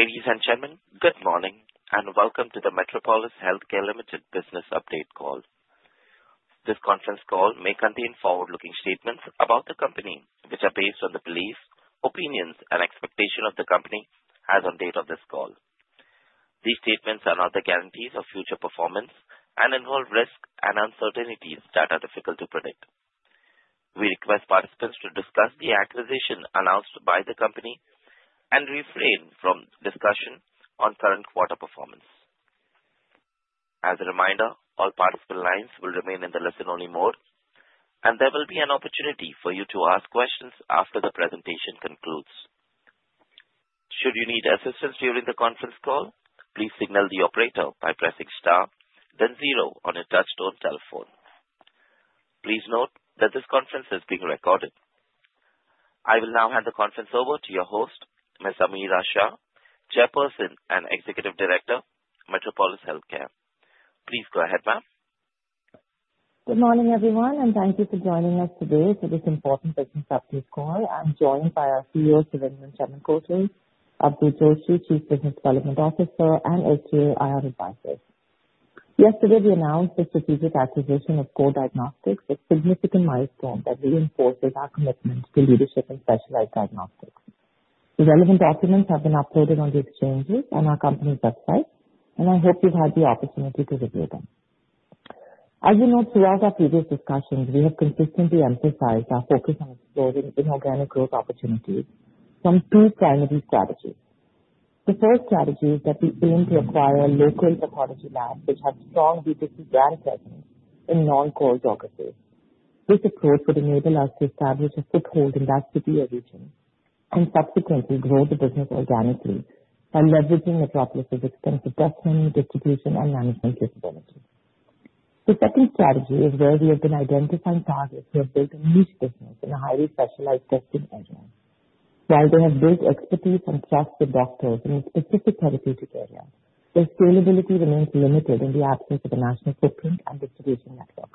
Ladies and gentlemen, good morning and welcome to the Metropolis Healthcare Limited business update call. This conference call may contain forward-looking statements about the company, which are based on the beliefs, opinions, and expectations of the company as of the date of this call. These statements are not the guarantees of future performance and involve risks and uncertainties that are difficult to predict. We request participants to discuss the acquisition announced by the company and refrain from discussion on current quarter performance. As a reminder, all participant lines will remain in the listen-only mode, and there will be an opportunity for you to ask questions after the presentation concludes. Should you need assistance during the conference call, please signal the operator by pressing star, then zero on a touch-tone telephone. Please note that this conference is being recorded. I will now hand the conference over to your host, Ms. Ameera Shah, Chairperson and Executive Director, Metropolis Healthcare. Please go ahead, ma'am. Good morning, everyone, and thank you for joining us today for this important business update call. I'm joined by our CEO, Surendran Chemmenkotil, Avadhut Joshi, Chief Business Development Officer, and SGA IR Advisors. Yesterday, we announced the strategic acquisition of Core Diagnostics, a significant milestone that reinforces our commitment to leadership in specialized diagnostics. The relevant documents have been uploaded on the exchanges and our company's website, and I hope you've had the opportunity to review them. As you know, throughout our previous discussions, we have consistently emphasized our focus on exploring inorganic growth opportunities from two primary strategies. The first strategy is that we aim to acquire local pathology labs which have strong B2C brand presence in non-core geographies. This approach would enable us to establish a foothold in that city or region and subsequently grow the business organically by leveraging Metropolis's extensive testing, distribution, and management capabilities. The second strategy is where we have been identifying targets who have built a niche business in a highly specialized testing area. While they have built expertise and trust with doctors in a specific therapeutic area, their scalability remains limited in the absence of a national footprint and distribution network.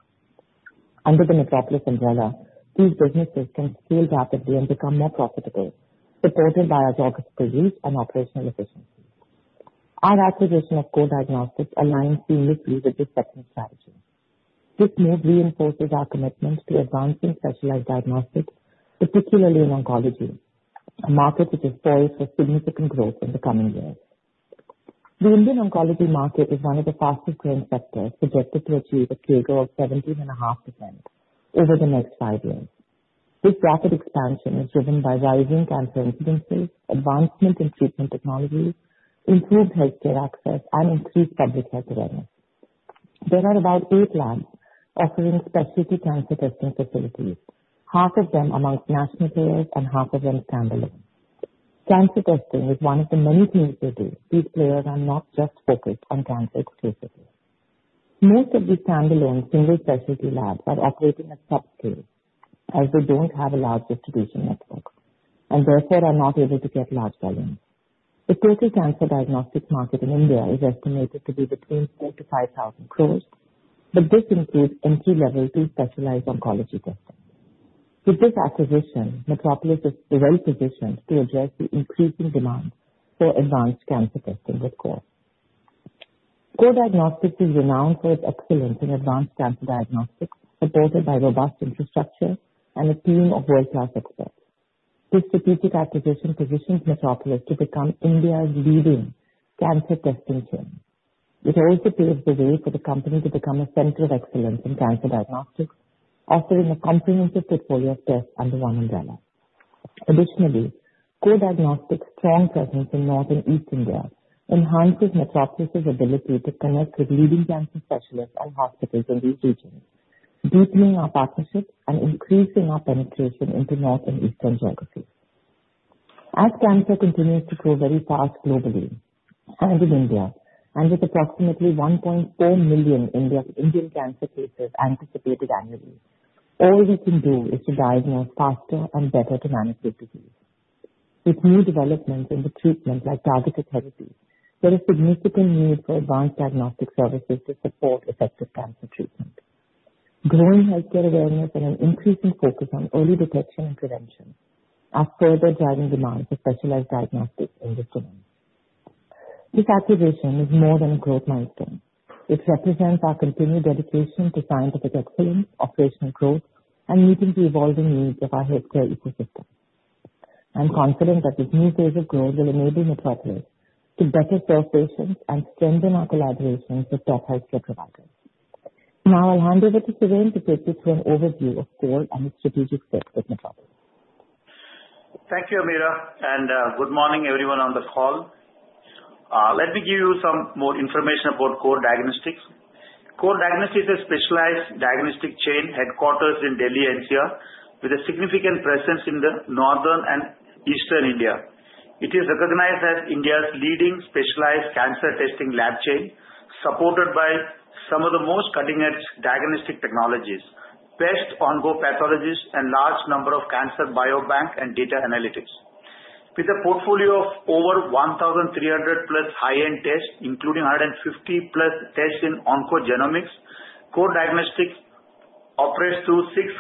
Under the Metropolis umbrella, these businesses can scale rapidly and become more profitable, supported by our geographical reach and operational efficiency. Our acquisition of Core Diagnostics aligns seamlessly with this second strategy. This move reinforces our commitment to advancing specialized diagnostics, particularly in oncology, a market which is poised for significant growth in the coming years. The Indian oncology market is one of the fastest-growing sectors projected to achieve a CAGR of 17.5% over the next five years. This rapid expansion is driven by rising cancer incidences, advancements in treatment technologies, improved healthcare access, and increased public health awareness. There are about eight labs offering specialty cancer testing facilities, half of them among national players and half of them standalone. Cancer testing is one of the many things they do. These players are not just focused on cancer exclusively. Most of these standalone single-specialty labs are operating at subscales as they don't have a large distribution network and therefore are not able to get large volumes. The total cancer diagnostics market in India is estimated to be between 4,000 crores and 5,000 crores, but this includes entry-level to specialized oncology testing. With this acquisition, Metropolis is well-positioned to address the increasing demand for advanced cancer testing with Core. Core Diagnostics is renowned for its excellence in advanced cancer diagnostics, supported by robust infrastructure and a team of world-class experts. This strategic acquisition positions Metropolis to become India's leading cancer testing chain. It also paves the way for the company to become a center of excellence in cancer diagnostics, offering a comprehensive portfolio of tests under one umbrella. Additionally, Core Diagnostics' strong presence in North and East India enhances Metropolis's ability to connect with leading cancer specialists and hospitals in these regions, deepening our partnerships and increasing our penetration into North and Eastern geographies. As cancer continues to grow very fast globally and in India, and with approximately 1.4 million Indian cancer cases anticipated annually, all we can do is to diagnose faster and better to manage this disease. With new developments in the treatment like targeted therapies, there is significant need for advanced diagnostic services to support effective cancer treatment. Growing healthcare awareness and an increasing focus on early detection and prevention are further driving demands for specialized diagnostics in this domain. This acquisition is more than a growth milestone. It represents our continued dedication to scientific excellence, operational growth, and meeting the evolving needs of our healthcare ecosystem. I'm confident that this new phase of growth will enable Metropolis to better serve patients and strengthen our collaborations with top healthcare providers. Now, I'll hand over to Suren to take you through an overview of Core and its strategic fit with Metropolis. Thank you, Ameera, and good morning, everyone on the call. Let me give you some more information about Core Diagnostics. Core Diagnostics is a specialized diagnostic chain headquartered in Delhi NCR, with a significant presence in the northern and eastern India. It is recognized as India's leading specialized cancer testing lab chain, supported by some of the most cutting-edge diagnostic technologies, best onco-pathologists, and a large number of cancer biobanks and data analytics. With a portfolio of over 1,300+ high-end tests, including 150+ tests in oncogenomics, Core Diagnostics operates through six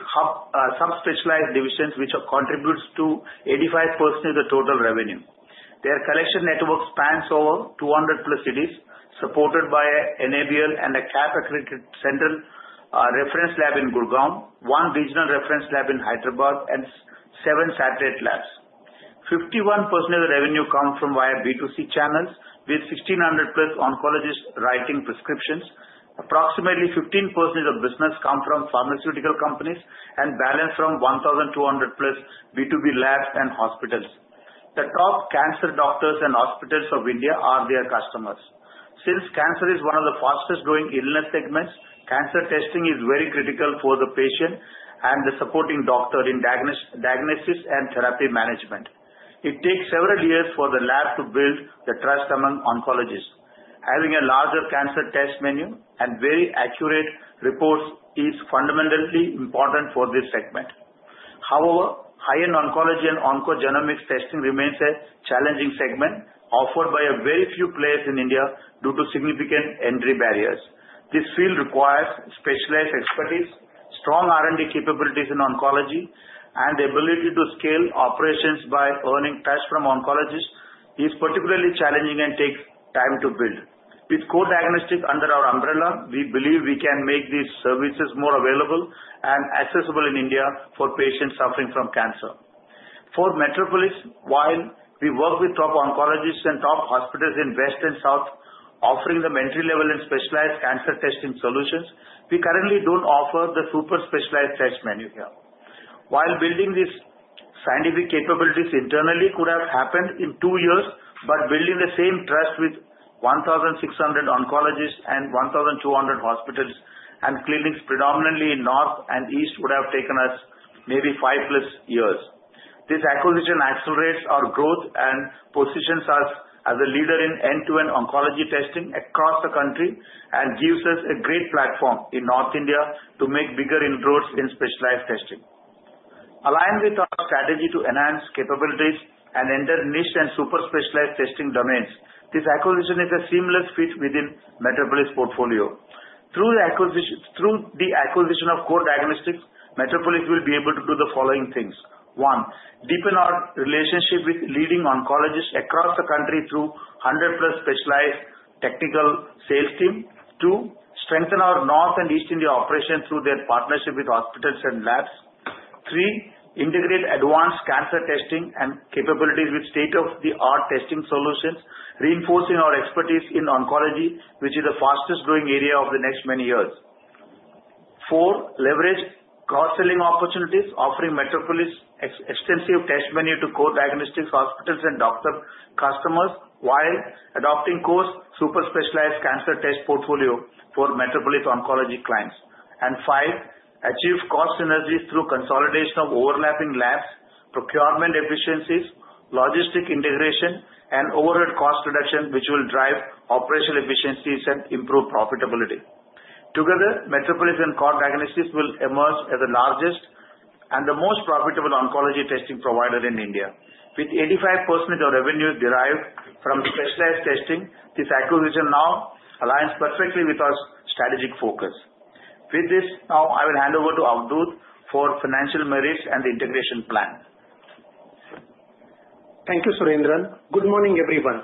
subspecialized divisions, which contributes to 85% of the total revenue. Their collection network spans over 200+ cities, supported by an NABL and a CAP-accredited central reference lab in Gurgaon, one regional reference lab in Hyderabad, and seven satellite labs. 51% of the revenue comes from via B2C channels, with 1,600+ oncologists writing prescriptions. Approximately 15% of business comes from pharmaceutical companies and balance from 1,200+ B2B labs and hospitals. The top cancer doctors and hospitals of India are their customers. Since cancer is one of the fastest-growing illness segments, cancer testing is very critical for the patient and the supporting doctor in diagnosis and therapy management. It takes several years for the lab to build the trust among oncologists. Having a larger cancer test menu and very accurate reports is fundamentally important for this segment. However, high-end oncology and oncogenomics testing remains a challenging segment offered by very few players in India due to significant entry barriers. This field requires specialized expertise, strong R&D capabilities in oncology, and the ability to scale operations by earning cash from oncologists. It's particularly challenging and takes time to build. With Core Diagnostics under our umbrella, we believe we can make these services more available and accessible in India for patients suffering from cancer. For Metropolis, while we work with top oncologists and top hospitals in West and South, offering them entry-level and specialized cancer testing solutions, we currently don't offer the super specialized test menu here. While building these scientific capabilities internally could have happened in two years, but building the same trust with 1,600 oncologists and 1,200 hospitals and clinics predominantly in North and East would have taken us maybe 5+ years. This acquisition accelerates our growth and positions us as a leader in end-to-end oncology testing across the country and gives us a great platform in North India to make bigger inroads in specialized testing. Aligned with our strategy to enhance capabilities and enter niche and super specialized testing domains, this acquisition is a seamless fit within Metropolis' portfolio. Through the acquisition of Core Diagnostics, Metropolis will be able to do the following things: one, deepen our relationship with leading oncologists across the country through 100+ specialized technical sales team. Two, strengthen our North and East India operations through their partnership with hospitals and labs. Three, integrate advanced cancer testing and capabilities with state-of-the-art testing solutions, reinforcing our expertise in oncology, which is the fastest-growing area of the next many years. Four, leverage cross-selling opportunities, offering Metropolis extensive test menu to Core Diagnostics hospitals and doctor customers while adopting Core's super specialized cancer test portfolio for Metropolis oncology clients. And five, achieve cost synergy through consolidation of overlapping labs, procurement efficiencies, logistic integration, and overhead cost reduction, which will drive operational efficiencies and improve profitability. Together, Metropolis and Core Diagnostics will emerge as the largest and the most profitable oncology testing provider in India. With 85% of revenue derived from specialized testing, this acquisition now aligns perfectly with our strategic focus. With this, now I will hand over to Avadhut for financial merits and the integration plan. Thank you, Surendran. Good morning, everyone.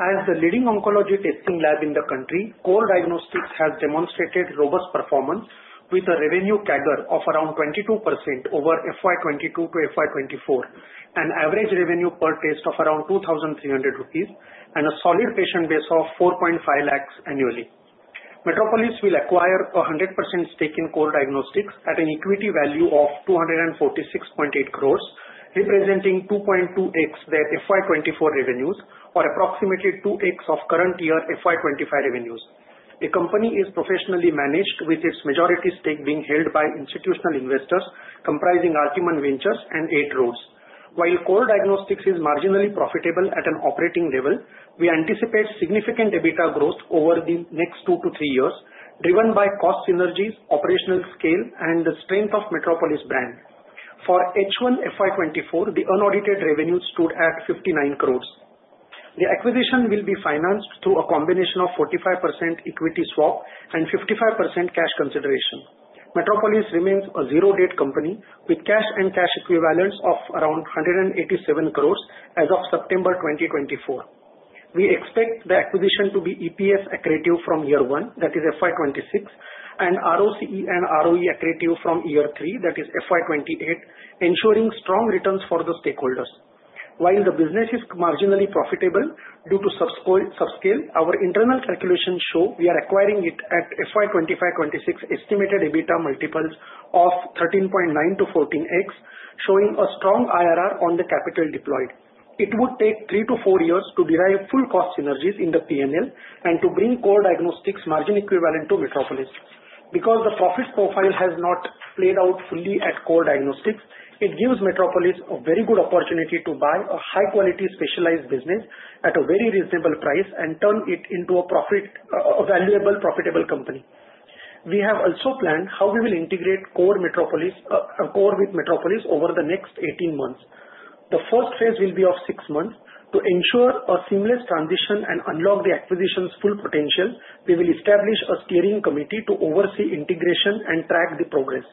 As the leading oncology testing lab in the country, Core Diagnostics has demonstrated robust performance with a revenue CAGR of around 22% over FY 2022 to FY 2024, an average revenue per test of around 2,300 rupees, and a solid patient base of 4.5 lakhs annually. Metropolis will acquire a 100% stake in Core Diagnostics at an equity value of 246.8 crores, representing 2.2x their FY 2024 revenues or approximately 2x of current year FY 2025 revenues. The company is professionally managed, with its majority stake being held by institutional investors comprising Artiman Ventures and Eight Roads. While Core Diagnostics is marginally profitable at an operating level, we anticipate significant EBITDA growth over the next two to three years, driven by cost synergies, operational scale, and the strength of Metropolis' brand. For H1 FY 2024, the unaudited revenue stood at 59 crores. The acquisition will be financed through a combination of 45% equity swap and 55% cash consideration. Metropolis remains a zero-debt company with cash and cash equivalents of around 187 crores as of September 2024. We expect the acquisition to be EPS accretive from year one, that is FY 2026, and ROCE and ROE accretive from year three, that is FY 2028, ensuring strong returns for the stakeholders. While the business is marginally profitable due to subscale, our internal calculations show we are acquiring it at FY 2025-2026 estimated EBITDA multiples of 13.9x-14x, showing a strong IRR on the capital deployed. It would take three to four years to derive full cost synergies in the P&L and to bring Core Diagnostics' margin equivalent to Metropolis. Because the profit profile has not played out fully at Core Diagnostics, it gives Metropolis a very good opportunity to buy a high-quality specialized business at a very reasonable price and turn it into a valuable profitable company. We have also planned how we will integrate Core with Metropolis over the next 18 months. The first phase will be of six months. To ensure a seamless transition and unlock the acquisition's full potential, we will establish a steering committee to oversee integration and track the progress.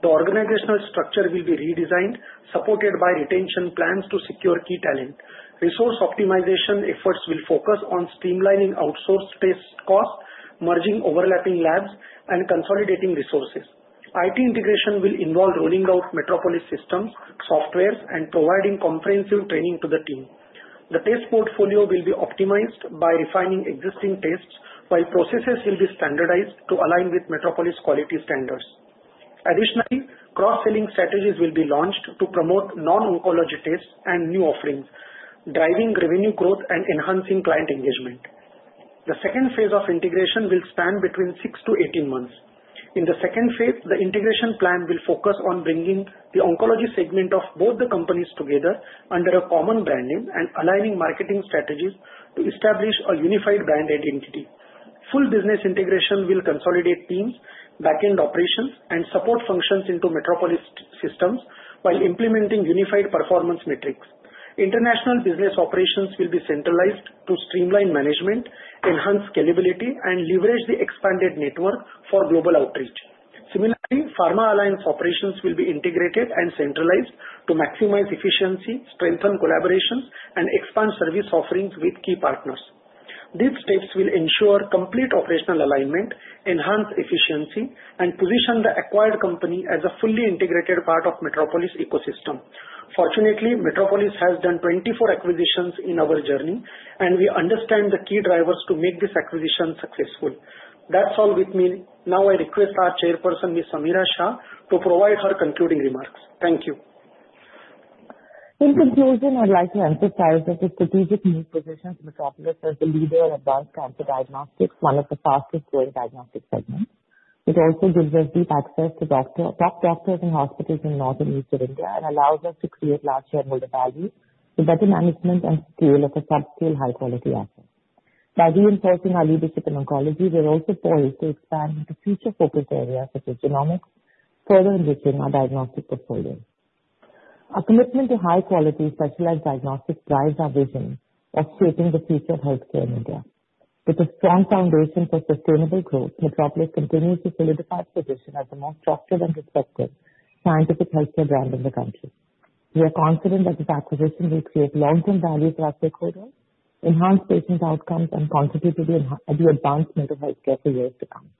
The organizational structure will be redesigned, supported by retention plans to secure key talent. Resource optimization efforts will focus on streamlining outsourced test costs, merging overlapping labs, and consolidating resources. IT integration will involve rolling out Metropolis systems, software, and providing comprehensive training to the team. The test portfolio will be optimized by refining existing tests, while processes will be standardized to align with Metropolis quality standards. Additionally, cross-selling strategies will be launched to promote non-oncology tests and new offerings, driving revenue growth and enhancing client engagement. The second phase of integration will span between six to 18 months. In the second phase, the integration plan will focus on bringing the oncology segment of both the companies together under a common brand name and aligning marketing strategies to establish a unified brand identity. Full business integration will consolidate teams, back-end operations, and support functions into Metropolis systems while implementing unified performance metrics. International business operations will be centralized to streamline management, enhance scalability, and leverage the expanded network for global outreach. Similarly, pharma alliance operations will be integrated and centralized to maximize efficiency, strengthen collaborations, and expand service offerings with key partners. These steps will ensure complete operational alignment, enhance efficiency, and position the acquired company as a fully integrated part of Metropolis' ecosystem. Fortunately, Metropolis has done 24 acquisitions in our journey, and we understand the key drivers to make this acquisition successful. That's all with me. Now, I request our chairperson, Ms. Ameera Shah, to provide her concluding remarks. Thank you. In conclusion, I'd like to emphasize that the strategic new position of Metropolis as the leader in advanced cancer diagnostics, one of the fastest-growing diagnostic segments. It also gives us deep access to top doctors and hospitals in North and East India and allows us to create large shareholder value with better management and scale of a subscale high-quality asset. By reinforcing our leadership in oncology, we're also poised to expand into future focus areas such as genomics, further enriching our diagnostic portfolio. Our commitment to high-quality specialized diagnostics drives our vision of shaping the future of healthcare in India. With a strong foundation for sustainable growth, Metropolis continues to solidify its position as the most trusted and respected scientific healthcare brand in the country. We are confident that this acquisition will create long-term value for our stakeholders, enhance patient outcomes, and contribute to the advancement of healthcare for years to come.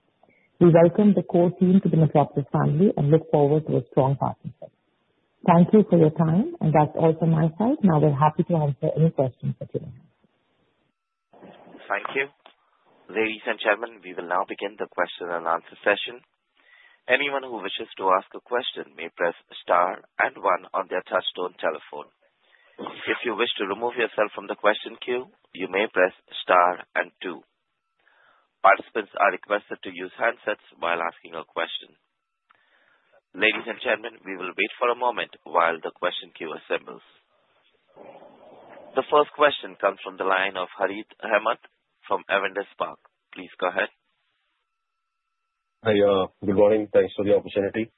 We welcome the core team to the Metropolis family and look forward to a strong partnership. Thank you for your time, and that's all from my side. Now, we're happy to answer any questions that you may have. Thank you. Ladies and gentlemen, we will now begin the question and answer session. Anyone who wishes to ask a question may press star and one on their touch-tone telephone. If you wish to remove yourself from the question queue, you may press star and two. Participants are requested to use handsets while asking a question. Ladies and gentlemen, we will wait for a moment while the question queue assembles. The first question comes from the line of Harith Ahamed from Avendus Spark. Please go ahead. Hi, good morning. Thanks for the opportunity.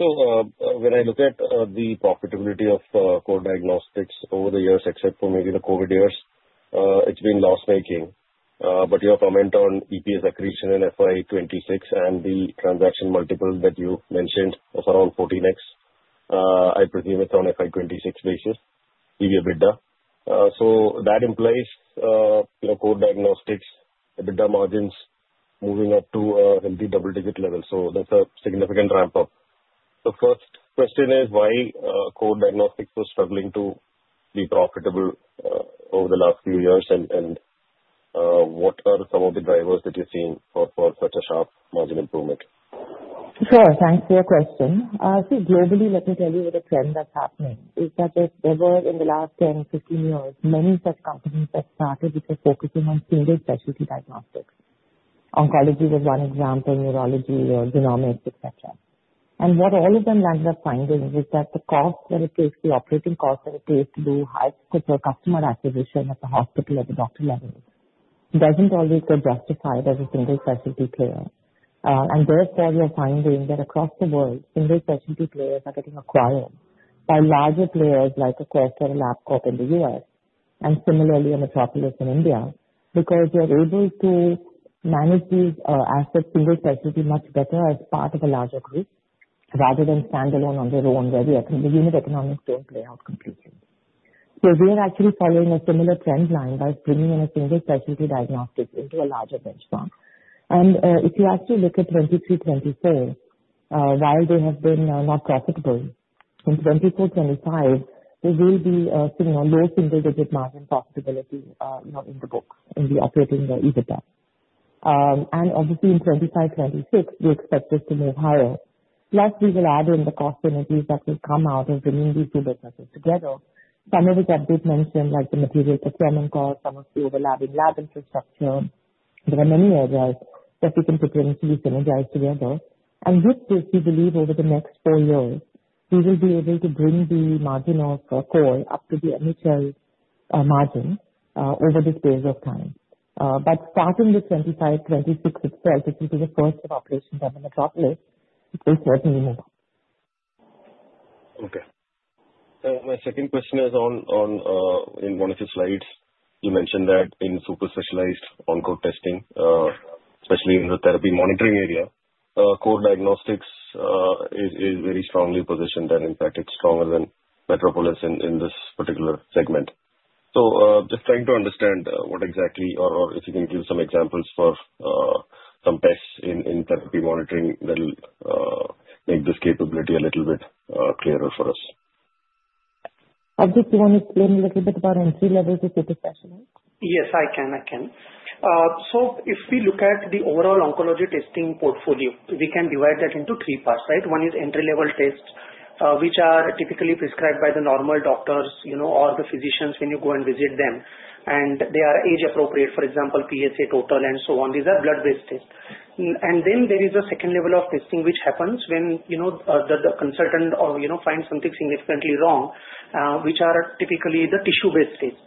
So when I look at the profitability of Core Diagnostics over the years, except for maybe the COVID years, it's been loss-making. But your comment on EPS accretion in FY 2026 and the transaction multiple that you mentioned of around 14x, I presume it's on a FY 2026 basis, give you EBITDA. So that implies Core Diagnostics' EBITDA margins moving up to a healthy double-digit level. So that's a significant ramp-up. The first question is, why are Core Diagnostics struggling to be profitable over the last few years, and what are some of the drivers that you're seeing for such a sharp margin improvement? Sure. Thanks for your question. I think globally, let me tell you what the trend that's happening is that there were in the last 10 years - 15 years, many such companies that started with a focus on single specialty diagnostics. Oncology was one example, neurology, genomics, etc. And what all of them ended up finding is that the cost that it takes, the operating cost that it takes to do high-cost customer acquisition at the hospital or the doctor level doesn't always get justified as a single specialty player. And therefore, we're finding that across the world, single specialty players are getting acquired by larger players like LabCorp in the U.S. and similarly a Metropolis in India because they're able to manage these assets, single specialty, much better as part of a larger group rather than stand alone on their own where the unit economics don't play out completely. So we are actually following a similar trend line by bringing in a single specialty diagnostics into a larger benchmark. And if you actually look at 2023, 2024, while they have been not profitable, in 2024, 2025, there will be a low single-digit margin profitability in the books in the operating EBITDA. And obviously, in 2025, 2026, we expect this to move higher. Plus, we will add in the cost synergies that will come out of bringing these two businesses together. Some of which I did mention, like the material procurement cost, some of the overlapping lab infrastructure. There are many areas that we can potentially synergize together, and with this, we believe over the next four years, we will be able to bring the margin of core up to the MHL margin over this period of time, but starting with 2025, 2026 itself, which will be the first year of operations under Metropolis, it will certainly move. Okay. So my second question is on one of your slides. You mentioned that in super specialized oncotesting, especially in the therapy monitoring area, Core Diagnostics is very strongly positioned, and in fact, it's stronger than Metropolis in this particular segment. So just trying to understand what exactly, or if you can give some examples for some tests in therapy monitoring that will make this capability a little bit clearer for us? Avadhut, want to explain a little bit about entry-level to super specialists? Yes, I can. I can. So if we look at the overall oncology testing portfolio, we can divide that into three parts, right? One is entry-level tests, which are typically prescribed by the normal doctors or the physicians when you go and visit them, and they are age-appropriate, for example, PSA total and so on. These are blood-based tests. And then there is a second level of testing which happens when the consultant finds something significantly wrong, which are typically the tissue-based tests,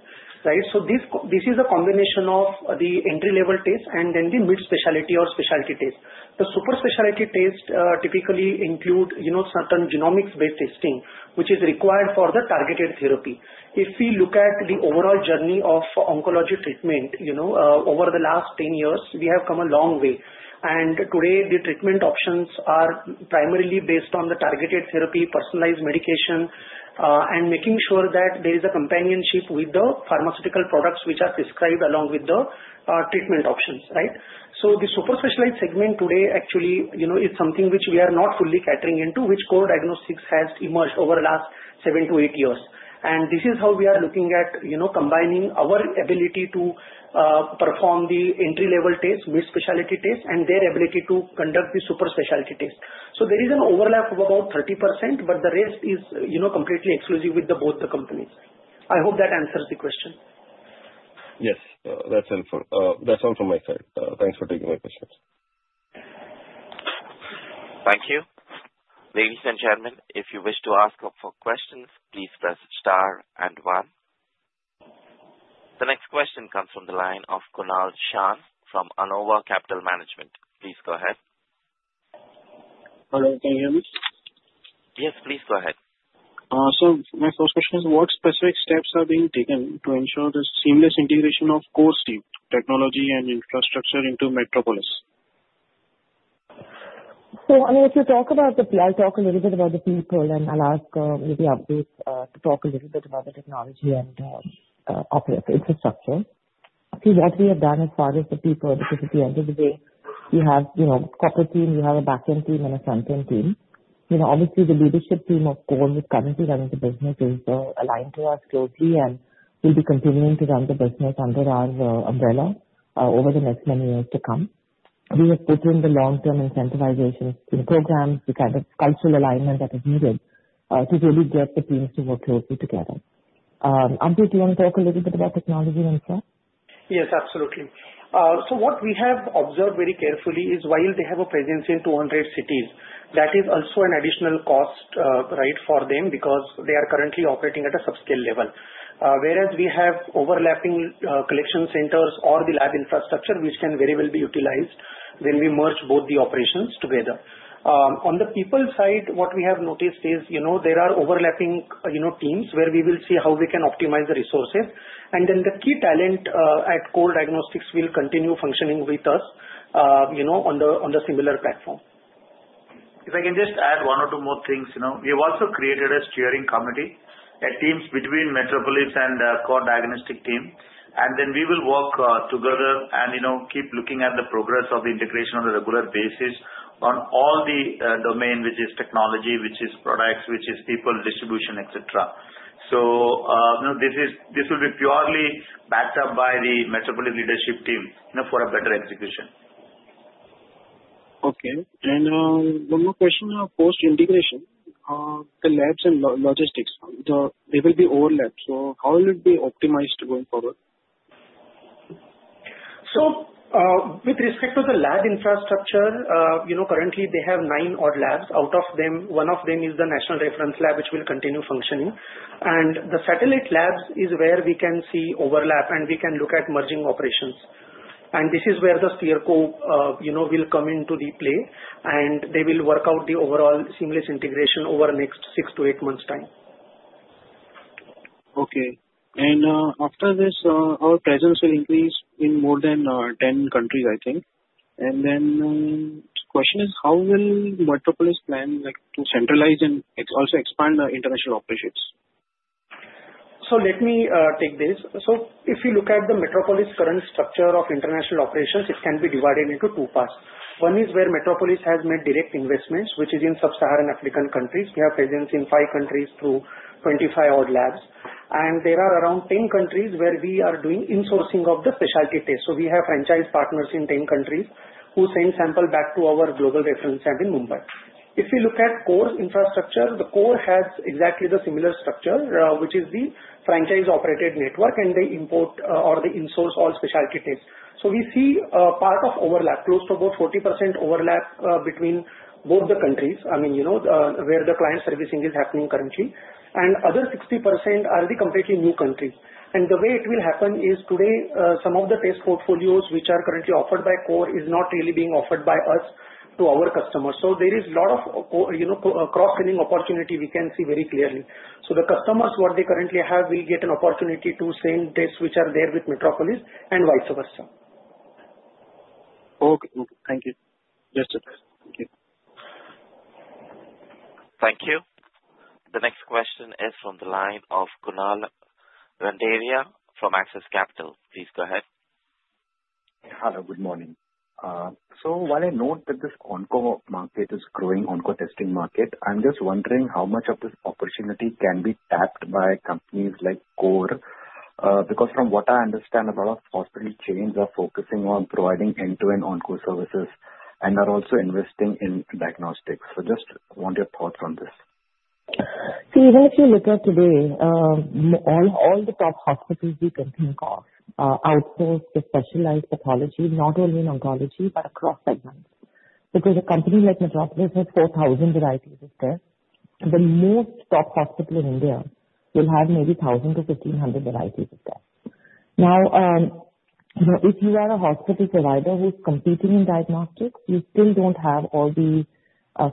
right? So this is a combination of the entry-level tests and then the mid-specialty or specialty tests. The super specialty tests typically include certain genomics-based testing, which is required for the targeted therapy. If we look at the overall journey of oncology treatment over the last 10 years, we have come a long way. Today, the treatment options are primarily based on the targeted therapy, personalized medication, and making sure that there is a companionship with the pharmaceutical products which are prescribed along with the treatment options, right? So the super specialized segment today actually is something which we are not fully catering into, which Core Diagnostics has emerged over the last seven to eight years. And this is how we are looking at combining our ability to perform the entry-level tests, mid-specialty tests, and their ability to conduct the super specialty tests. So there is an overlap of about 30%, but the rest is completely exclusive with both the companies. I hope that answers the question. Yes, that's all from my side. Thanks for taking my questions. Thank you. Ladies and gentlemen, if you wish to ask for questions, please press star and one. The next question comes from the line of Kunal Shah from Carnelian Asset Management. Please go ahead. Hello, can you hear me? Yes, please go ahead. So my first question is, what specific steps are being taken to ensure the seamless integration of Core technology and infrastructure into Metropolis? So I mean, if you talk about the, I'll talk a little bit about the people, and I'll ask maybe Avadhut to talk a little bit about the technology and infrastructure. I think what we have done as far as the people, because at the end of the day, we have a corporate team, we have a back-end team, and a front-end team. Obviously, the leadership team of Core is currently running the business, is aligned to us closely, and will be continuing to run the business under our umbrella over the next many years to come. We have put in the long-term incentivization programs, the kind of cultural alignment that is needed to really get the teams to work closely together. Avadhut, do you want to talk a little bit about technology and stuff? Yes, absolutely. So what we have observed very carefully is while they have a presence in 200 cities, that is also an additional cost, right, for them because they are currently operating at a subscale level. Whereas we have overlapping collection centers or the lab infrastructure, which can very well be utilized when we merge both the operations together. On the people side, what we have noticed is there are overlapping teams where we will see how we can optimize the resources, and then the key talent at Core Diagnostics will continue functioning with us on the similar platform. If I can just add one or two more things. We have also created a steering committee and teams between Metropolis and Core Diagnostics team. And then we will work together and keep looking at the progress of the integration on a regular basis on all the domain, which is technology, which is products, which is people distribution, etc. So this will be purely backed up by the Metropolis leadership team for a better execution. Okay. And one more question about post-integration. The labs and logistics, they will be overlapped. So how will it be optimized going forward? With respect to the lab infrastructure, currently they have nine odd labs. Out of them, one of them is the National Reference Lab, which will continue functioning. The satellite labs is where we can see overlap, and we can look at merging operations. This is where the SteerCo will come into the play, and they will work out the overall seamless integration over the next six to eight months' time. Okay. And after this, our presence will increase in more than 10 countries, I think. And then the question is, how will Metropolis plan to centralize and also expand the international operations? So let me take this. So if you look at the Metropolis current structure of international operations, it can be divided into two parts. One is where Metropolis has made direct investments, which is in Sub-Saharan African countries. We have presence in five countries through 25 odd labs. And there are around 10 countries where we are doing insourcing of the specialty tests. So we have franchise partners in 10 countries who send samples back to our global reference center in Mumbai. If you look at Core's infrastructure, the Core has exactly the similar structure, which is the franchise-operated network, and they import or they insource all specialty tests. So we see a part of overlap, close to about 40% overlap between both the countries, I mean, where the client servicing is happening currently. And other 60% are the completely new countries. And the way it will happen is today, some of the test portfolios, which are currently offered by Core, are not really being offered by us to our customers. So there is a lot of cross-selling opportunity we can see very clearly. So the customers, what they currently have, will get an opportunity to send tests which are there with Metropolis and vice versa. Okay. Thank you. Yes, sir. Thank you. Thank you. The next question is from the line of Kunal Randeria from Axis Capital. Please go ahead. Hello, good morning. So while I note that this oncotesting market is growing, oncotesting market, I'm just wondering how much of this opportunity can be tapped by companies like Core because from what I understand, a lot of hospital chains are focusing on providing end-to-end oncotesting services and are also investing in diagnostics. So just want your thoughts on this. See, even if you look at today, all the top hospitals we can think of outsource the specialized pathology, not only in oncology, but across segments. Because a company like Metropolis has 4,000 varieties of tests. The most top hospital in India will have maybe 1,000-1,500 varieties of tests. Now, if you are a hospital provider who's competing in diagnostics, you still don't have all the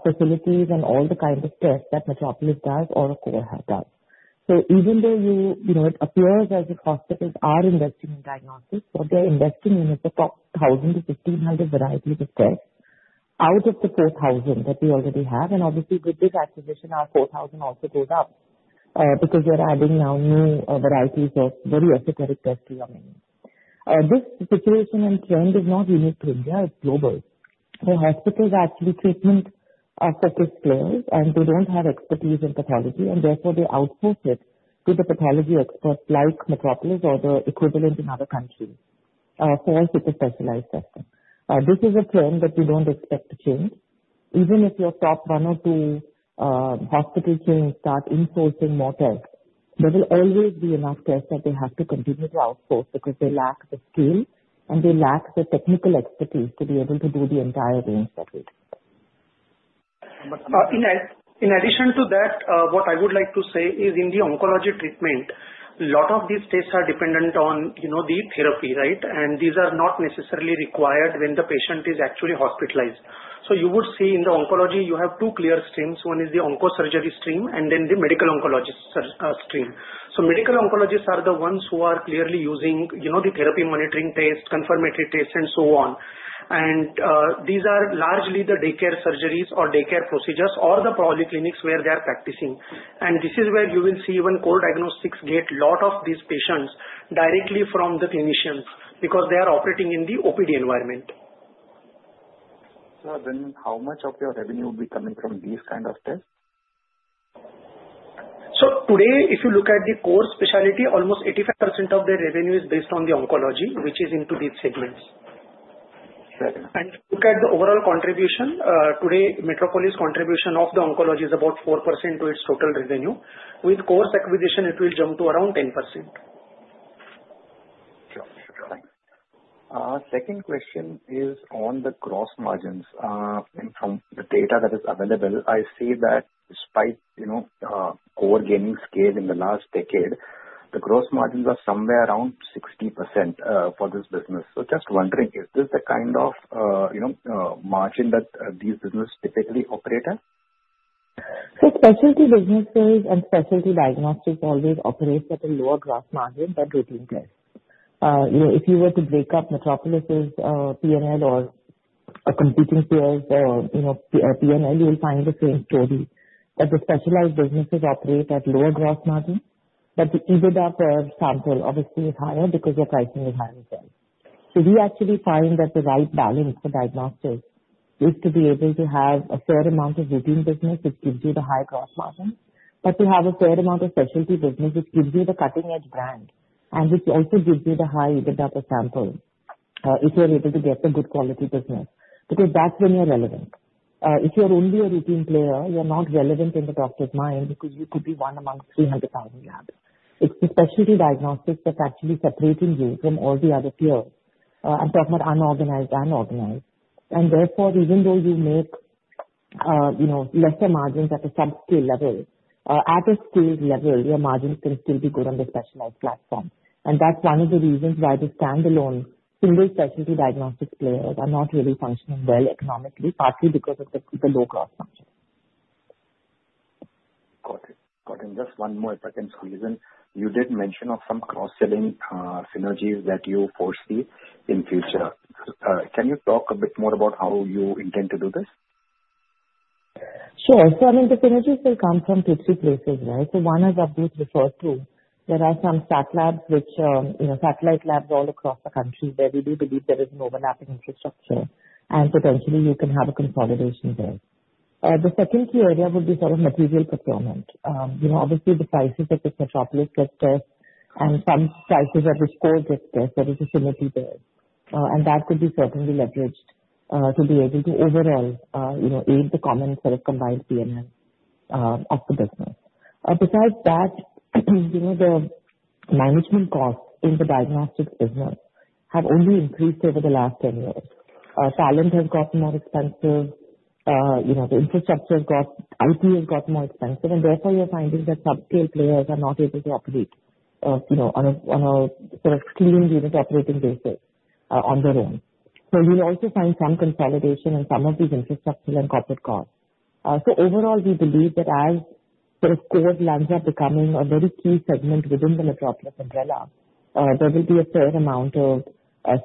facilities and all the kinds of tests that Metropolis does or Core does. So even though it appears as if hospitals are investing in diagnostics, what they're investing in is the top 1,000-1,500 varieties of tests out of the 4,000 varieties that we already have. And obviously, with this acquisition, our 4,000 varieties also goes up because we are adding now new varieties of very esoteric tests to our menu. This situation and trend is not unique to India. It's global. So hospitals are actually treatment-focused players, and they don't have expertise in pathology, and therefore they outsource it to the pathology experts like Metropolis or the equivalent in other countries for a super specialized testing. This is a trend that we don't expect to change. Even if your top one or two hospital chains start insourcing more tests, there will always be enough tests that they have to continue to outsource because they lack the skill and they lack the technical expertise to be able to do the entire range that we expect. In addition to that, what I would like to say is in the oncology treatment, a lot of these tests are dependent on the therapy, right? And these are not necessarily required when the patient is actually hospitalized. So you would see in the oncology, you have two clear streams. One is the oncosurgery stream, and then the medical oncologist stream. So medical oncologists are the ones who are clearly using the therapy monitoring tests, confirmatory tests, and so on. And these are largely the daycare surgeries or daycare procedures or the polyclinics where they are practicing. And this is where you will see even Core Diagnostics get a lot of these patients directly from the clinicians because they are operating in the OPD environment. So then how much of your revenue will be coming from these kinds of tests? Today, if you look at the Core specialty, almost 85% of the revenue is based on the oncology, which is into these segments. If you look at the overall contribution, today, Metropolis' contribution of the oncology is about 4% of its total revenue. With Core's acquisition, it will jump to around 10%. Sure. Sure. Thanks. Second question is on the gross margins. From the data that is available, I see that despite Core gaining scale in the last decade, the gross margins are somewhere around 60% for this business. So just wondering, is this the kind of margin that these businesses typically operate at? So specialty businesses and specialty diagnostics always operate at a lower gross margin than routine tests. If you were to break up Metropolis's P&L or a competing player's P&L, you will find the same story. But the specialized businesses operate at lower gross margins. But the EBITDA per sample, obviously, is higher because their pricing is higher as well. So we actually find that the right balance for diagnostics is to be able to have a fair amount of routine business, which gives you the high gross margin, but to have a fair amount of specialty business, which gives you the cutting-edge brand, and which also gives you the high EBITDA per sample if you're able to get a good quality business. Because that's when you're relevant. If you're only a routine player, you're not relevant in the doctor's mind because you could be one among 300,000 labs. It's the specialty diagnostics that's actually separating you from all the other peers. I'm talking about unorganized and organized. And therefore, even though you make lesser margins at a subscale level, at a scale level, your margins can still be good on the specialized platform. And that's one of the reasons why the standalone single specialty diagnostics players are not really functioning well economically, partly because of the low gross margin. Got it. Got it. Just one more, if I can squeeze in. You did mention of some cross-selling synergies that you foresee in the future. Can you talk a bit more about how you intend to do this? Sure. So I mean, the synergies will come from two places, right? So one as Avadhut referred to, there are some sat labs, which satellite labs all across the country where we do believe there is an overlapping infrastructure, and potentially you can have a consolidation there. The second key area would be sort of material procurement. Obviously, the prices of this Metropolis test and some prices of this Core test that is a synergy there. And that could be certainly leveraged to be able to overall aid the common sort of combined P&L of the business. Besides that, the management costs in the diagnostics business have only increased over the last 10 years. Talent has gotten more expensive. The infrastructure has gotten IT has gotten more expensive. And therefore, you're finding that subscale players are not able to operate on a sort of clean unit operating basis on their own. So you'll also find some consolidation in some of these infrastructural and corporate costs. So overall, we believe that as sort of Core lands up becoming a very key segment within the Metropolis umbrella, there will be a fair amount of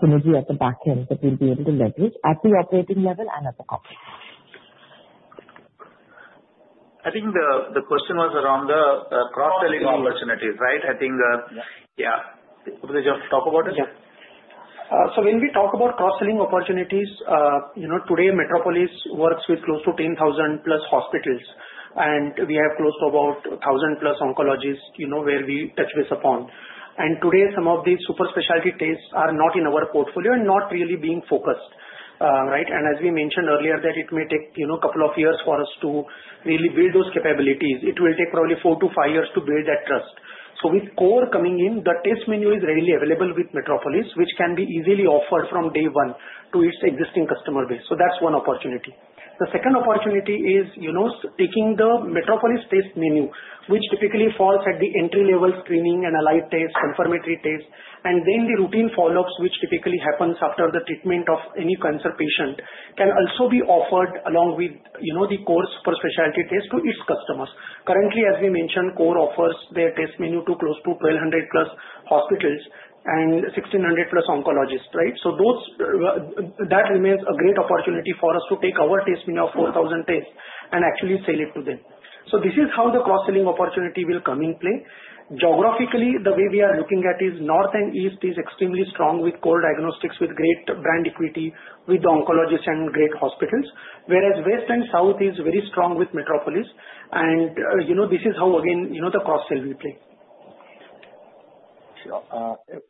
synergy at the back end that we'll be able to leverage at the operating level and at the corporate level. I think the question was around the cross-selling opportunities, right? I think, yeah. Would you just talk about it? Yeah. So when we talk about cross-selling opportunities, today, Metropolis works with close to 10,000+ hospitals, and we have close to about 1,000+ oncologists where we touch base upon. And today, some of these super specialty tests are not in our portfolio and not really being focused, right? And as we mentioned earlier, that it may take a couple of years for us to really build those capabilities. It will take probably four to five years to build that trust. So with Core coming in, the test menu is readily available with Metropolis, which can be easily offered from day one to its existing customer base. So that's one opportunity. The second opportunity is taking the Metropolis test menu, which typically falls at the entry-level screening and a light test, confirmatory test, and then the routine follow-ups, which typically happens after the treatment of any cancer patient, can also be offered along with the Core super specialty test to its customers. Currently, as we mentioned, Core offers their test menu to close to 1,200+ hospitals and 1,600+ oncologists, right? So that remains a great opportunity for us to take our test menu of 4,000 tests and actually sell it to them. So this is how the cross-selling opportunity will come in play. Geographically, the way we are looking at is north and east is extremely strong with Core Diagnostics, with great brand equity, with the oncologists and great hospitals, whereas west and south is very strong with Metropolis. And this is how, again, the cross-sell will play. Sure.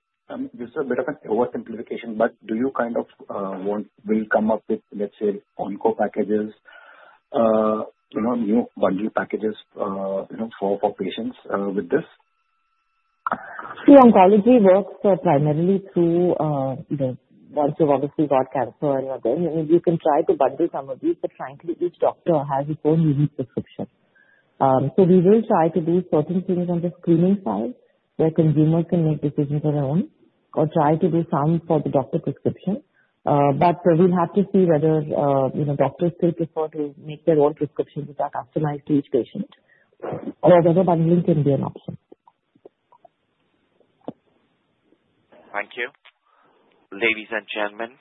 This is a bit of an oversimplification, but do you kind of will come up with, let's say, oncotesting packages, new bundle packages for patients with this? See, oncology works primarily through once you've obviously got cancer and you're there. I mean, you can try to bundle some of these, but frankly, each doctor has its own unique prescription. So we will try to do certain things on the screening side where consumers can make decisions on their own or try to do some for the doctor's prescription. But we'll have to see whether doctors still prefer to make their own prescriptions which are customized to each patient, or whether bundling can be an option. Thank you. Ladies and gentlemen,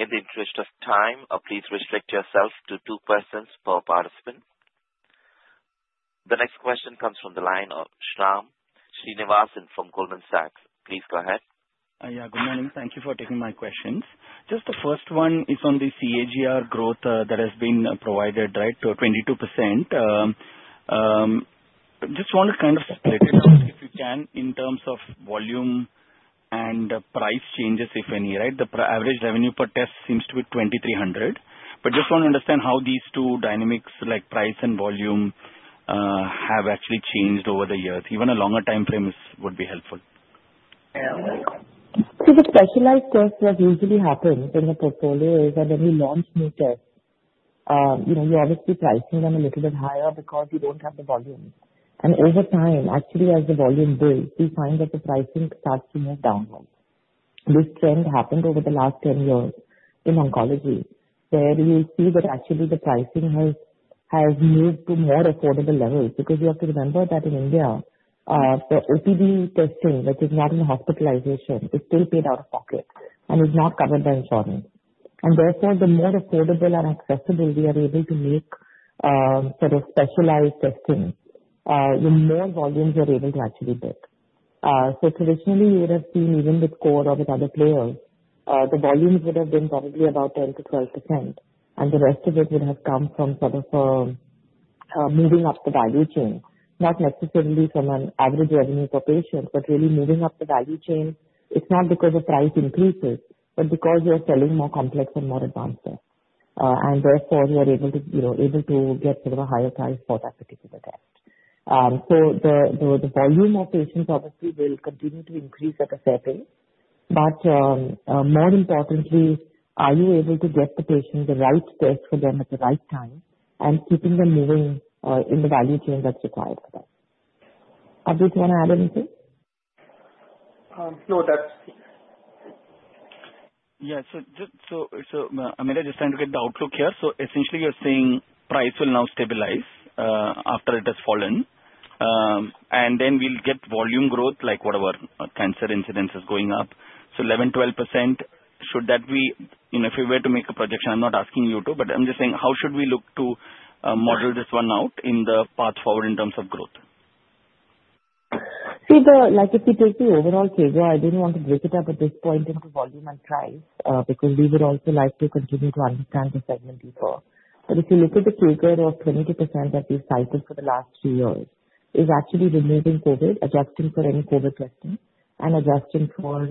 in the interest of time, please restrict yourselves to two questions per person. The next question comes from the line of Shyam Srinivasan from Goldman Sachs. Please go ahead. Yeah. Good morning. Thank you for taking my questions. Just the first one is on the CAGR growth that has been provided, right, to 22%. Just want to kind of separate it out if you can in terms of volume and price changes, if any, right? The average revenue per test seems to be 2,300. But just want to understand how these two dynamics, like price and volume, have actually changed over the years. Even a longer time frame would be helpful. So the specialized tests that usually happen in the portfolio are that when we launch new tests, you are obviously pricing them a little bit higher because you do not have the volume. And over time, actually, as the volume builds, we find that the pricing starts to move downwards. This trend happened over the last 10 years in oncology, where you will see that actually the pricing has moved to more affordable levels. Because you have to remember that in India, the OPD testing, which is not in hospitalization, is still paid out of pocket and is not covered by insurance. And therefore, the more affordable and accessible we are able to make sort of specialized testing, the more volumes we are able to actually bid. So traditionally, you would have seen even with Core or with other players, the volumes would have been probably about 10%-12%, and the rest of it would have come from sort of moving up the value chain, not necessarily from an average revenue per patient, but really moving up the value chain. It's not because the price increases, but because you're selling more complex and more advanced tests. And therefore, you're able to get sort of a higher price for that particular test. So the volume of patients obviously will continue to increase at a fair pace. But more importantly, are you able to get the patient the right test for them at the right time and keeping them moving in the value chain that's required for them? Avadhut, do you want to add anything? No, that's. Yeah. So Ameera, I'm just trying to get the outlook here. So essentially, you're saying price will now stabilize after it has fallen, and then we'll get volume growth like whatever cancer incidence is going up. So 11%-12%, should that be if you were to make a projection? I'm not asking you to, but I'm just saying, how should we look to model this one out in the path forward in terms of growth? See, if we take the overall CAGR, I didn't want to break it up at this point into volume and price because we would also like to continue to understand the segment deeper. But if you look at the CAGR of 22% that we've cited for the last three years, is actually removing COVID, adjusting for any COVID testing, and adjusting for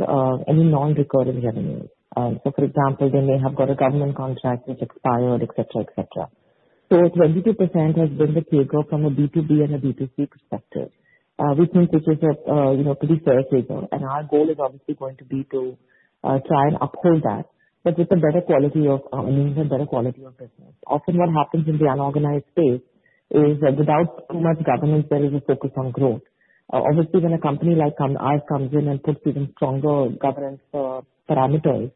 any non-recurring revenues. So for example, they may have got a government contract which expired, etc., etc. So 22% has been the CAGR from a B2B and a B2C perspective, which means it is a pretty fair CAGR, and our goal is obviously going to be to try and uphold that, but with a better quality of means and better quality of business. Often what happens in the unorganized space is that without too much governance, there is a focus on growth. Obviously, when a company like ours comes in and puts even stronger governance parameters,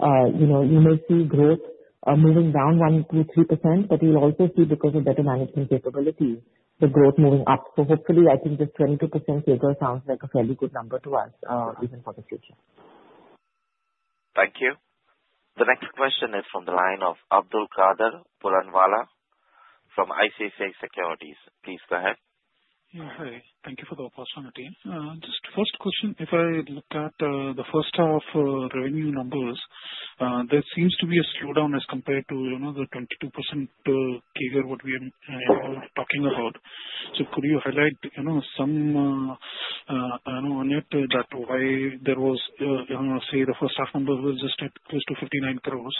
you may see growth moving down 1%, 2%, 3%, but you'll also see, because of better management capabilities, the growth moving up. So hopefully, I think this 22% CAGR sounds like a fairly good number to us, even for the future. Thank you. The next question is from the line of Abdulkader Puranwala from ICICI Securities. Please go ahead. Thank you for the opportunity. Just first question, if I look at the first half revenue numbers, there seems to be a slowdown as compared to the 22% CAGR what we are talking about. So could you highlight some on it that why there was, say, the first half numbers were just at close to 59 crores?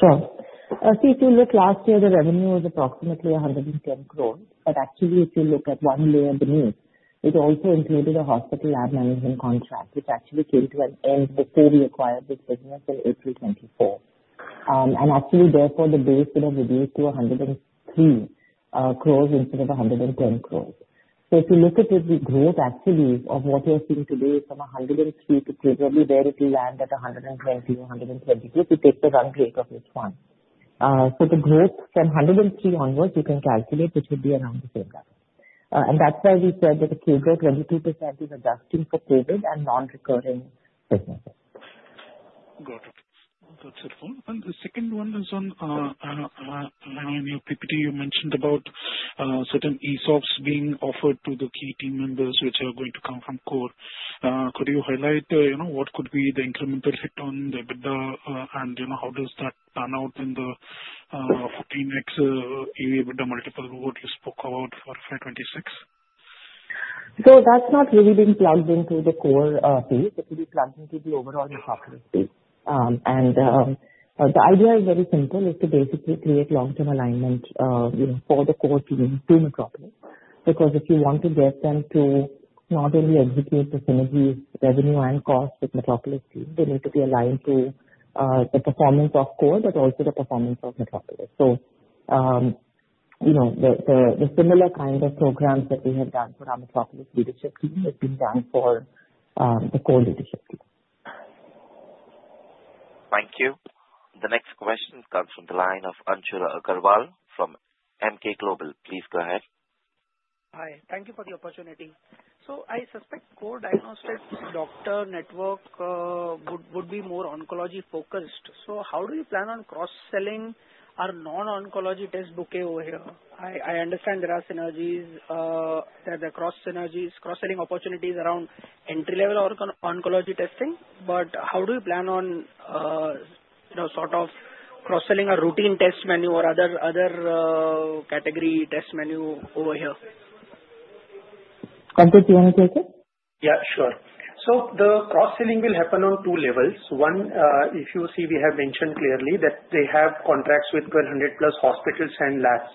Sure. See, if you look last year, the revenue was approximately 110 crores. But actually, if you look at one layer beneath, it also included a hospital lab management contract, which actually came to an end before we acquired this business in April 2024. And actually, therefore, the base would have reduced to 103 crores instead of 110 crores. So if you look at the growth, actually, of what you're seeing today is from 103 crores to probably where it will land at 120 crores or 122 crores if you take the run rate of this one. So the growth from 103 crores onwards, you can calculate it would be around the same level. And that's why we said that the CAGR 22% is adjusting for COVID and non-recurring businesses. Got it. That's helpful. And the second one is on PPT, you mentioned about certain ESOPs being offered to the key team members which are going to come from Core. Could you highlight what could be the incremental hit on the EBITDA and how does that pan out in the 14x EBITDA multiple what you spoke about for 526? So that's not really being plugged into the Core space. It will be plugged into the overall Metropolis space. And the idea is very simple. It's to basically create long-term alignment for the Core team to Metropolis because if you want to get them to not only execute the synergy revenue and cost with Metropolis team, they need to be aligned to the performance of Core, but also the performance of Metropolis. So the similar kind of programs that we have done for our Metropolis leadership team have been done for the Core leadership team. Thank you. The next question comes from the line of Anshul Agrawal from Emkay Global. Please go ahead. Hi. Thank you for the opportunity. So I suspect Core Diagnostics doctor network would be more oncology-focused. So how do you plan on cross-selling our non-oncology test bouquet over here? I understand there are synergies, there are cross-selling opportunities around entry-level oncology testing, but how do you plan on sort of cross-selling a routine test menu or other category test menu over here? Avadhut, do you want to take it? Yeah, sure. So the cross-selling will happen on two levels. One, if you see, we have mentioned clearly that they have contracts with 1,200+ hospitals and labs,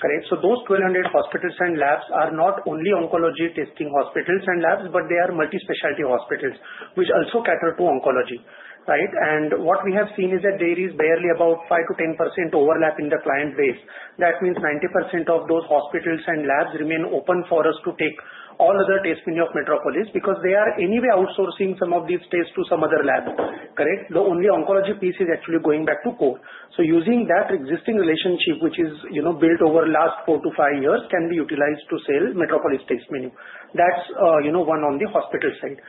correct? So those 1,200 hospitals and labs are not only oncology testing hospitals and labs, but they are multi-specialty hospitals, which also cater to oncology, right? And what we have seen is that there is barely about 5%-10% overlap in the client base. That means 90% of those hospitals and labs remain open for us to take all other test menu of Metropolis because they are anyway outsourcing some of these tests to some other lab, correct? The only oncology piece is actually going back to Core. So using that existing relationship, which is built over the last four to five years, can be utilized to sell Metropolis test menu. That's one on the hospital side.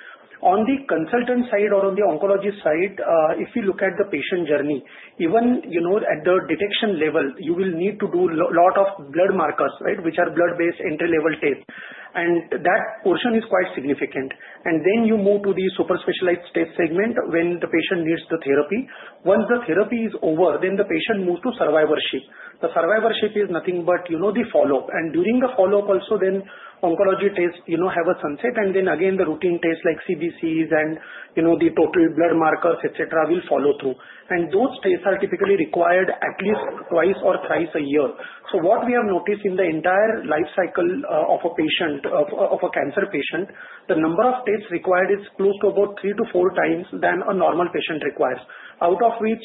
On the consultant side or on the oncology side, if you look at the patient journey, even at the detection level, you will need to do a lot of blood markers, right, which are blood-based entry-level tests. And that portion is quite significant. And then you move to the super specialized test segment when the patient needs the therapy. Once the therapy is over, then the patient moves to survivorship. The survivorship is nothing but the follow-up. And during the follow-up also, then oncology tests have a sunset, and then again, the routine tests like CBCs and the total blood markers, etc., will follow through. And those tests are typically required at least twice or thrice a year. So what we have noticed in the entire lifecycle of a cancer patient, the number of tests required is close to about three-to-four times than a normal patient requires, out of which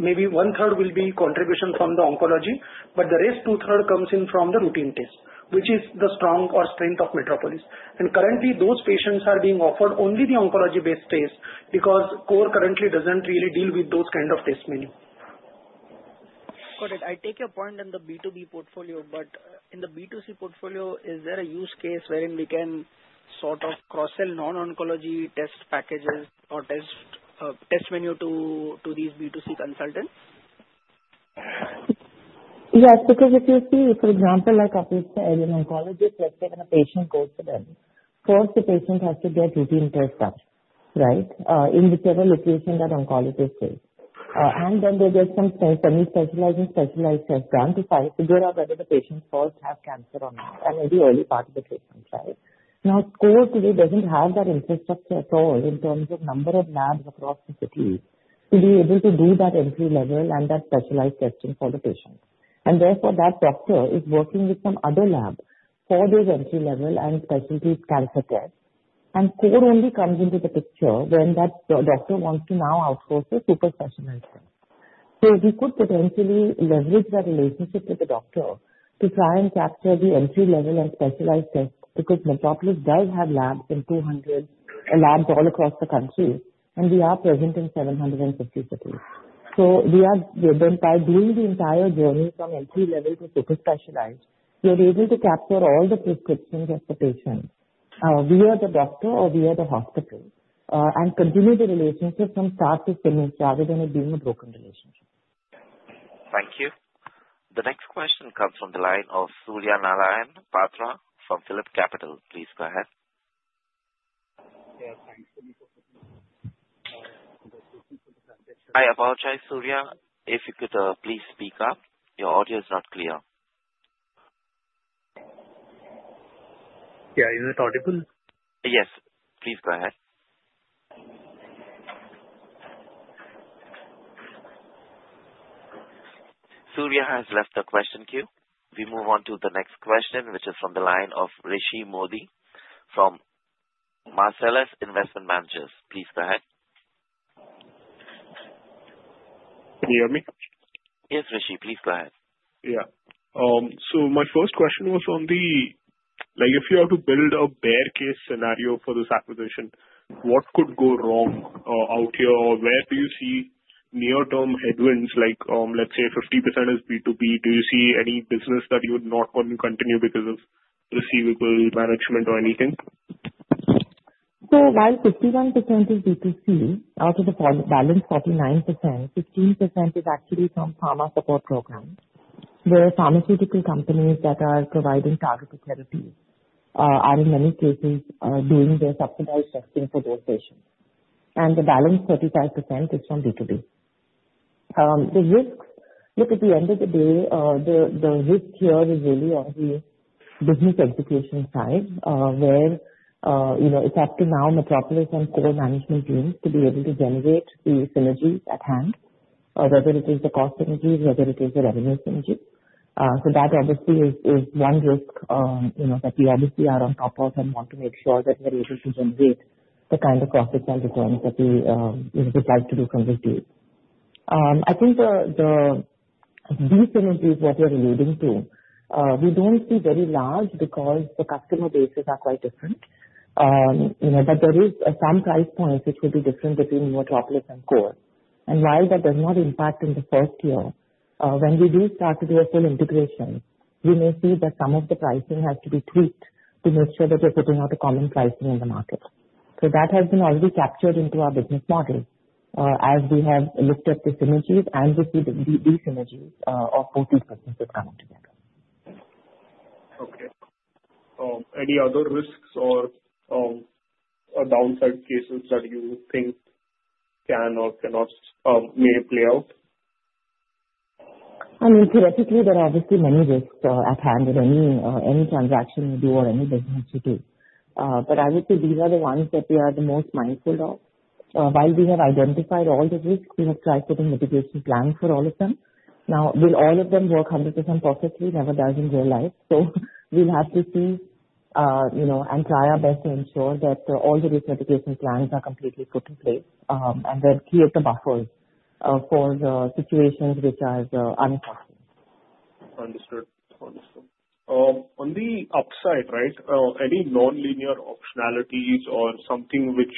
maybe one-third will be contribution from the oncology, but the rest two-thirds comes in from the routine test, which is the strength of Metropolis. And currently, those patients are being offered only the oncology-based test because Core currently doesn't really deal with those kind of test menu. Got it. I take your point on the B2B portfolio, but in the B2C portfolio, is there a use case wherein we can sort of cross-sell non-oncology test packages or test menu to these B2C consultants? Yes, because if you see, for example, like I've just said, in oncology, let's say when a patient goes to them, first, the patient has to get routine tests done, right, in whichever location that oncologist is. And then they get some semi-specialized and specialized tests done to figure out whether the patient first has cancer or not and in the early part of the treatment, right? Now, Core today doesn't have that infrastructure at all in terms of number of labs across the city to be able to do that entry-level and that specialized testing for the patient. And therefore, that doctor is working with some other lab for those entry-level and specialty cancer tests. And Core only comes into the picture when that doctor wants to now outsource a super specialized test. So we could potentially leverage that relationship with the doctor to try and capture the entry-level and specialized tests because Metropolis does have labs all across the country, and we are present in 750 cities. So by doing the entire journey from entry-level to super specialized, we're able to capture all the prescriptions of the patient, via the doctor or via the hospital, and continue the relationship from start to finish rather than it being a broken relationship. Thank you. The next question comes from the line of Surya Narayan Patra from PhillipCapital. Please go ahead. Yeah. Thanks for the conversation. I apologize, Surya. If you could please speak up. Your audio is not clear. Yeah. Is it audible? Yes. Please go ahead. Surya has left the question queue. We move on to the next question, which is from the line of Rishi Mody from Marcellus Investment Managers. Please go ahead. Can you hear me? Yes, Rishi. Please go ahead. Yeah. So my first question was on the if you are to build a bear case scenario for this acquisition, what could go wrong out here? Or where do you see near-term headwinds? Let's say 50% is B2B. Do you see any business that you would not want to continue because of receivable management or anything? So while 51% is B2C out of the balance 49%, 15% is actually from pharma support programs, where pharmaceutical companies that are providing targeted therapies are, in many cases, doing their subsidized testing for those patients. And the balance 35% is from B2B. The risks, look, at the end of the day, the risk here is really on the business execution side, where it's up to now Metropolis and Core management teams to be able to generate the synergies at hand, whether it is the cost synergies, whether it is the revenue synergies. So that obviously is one risk that we obviously are on top of and want to make sure that we are able to generate the kind of profits and returns that we would like to do from this deal. I think the B2B synergies, what we are alluding to, we don't see very large because the customer bases are quite different, but there is some price points which will be different between Metropolis and Core, and while that does not impact in the first year, when we do start to do a full integration, we may see that some of the pricing has to be tweaked to make sure that we're putting out a common pricing in the market, so that has been already captured into our business model as we have looked at the synergies and received these synergies of both these businesses coming together. Okay. Any other risks or downside cases that you think can or cannot may play out? I mean, theoretically, there are obviously many risks at hand in any transaction you do or any business you do. But I would say these are the ones that we are the most mindful of. While we have identified all the risks, we have tried putting mitigation plans for all of them. Now, will all of them work 100% perfectly? Never does in real life. So we'll have to see and try our best to ensure that all the risk mitigation plans are completely put in place and then create the buffers for the situations which are unaccounted. Understood. On the upside, right, any non-linear optionalities or something which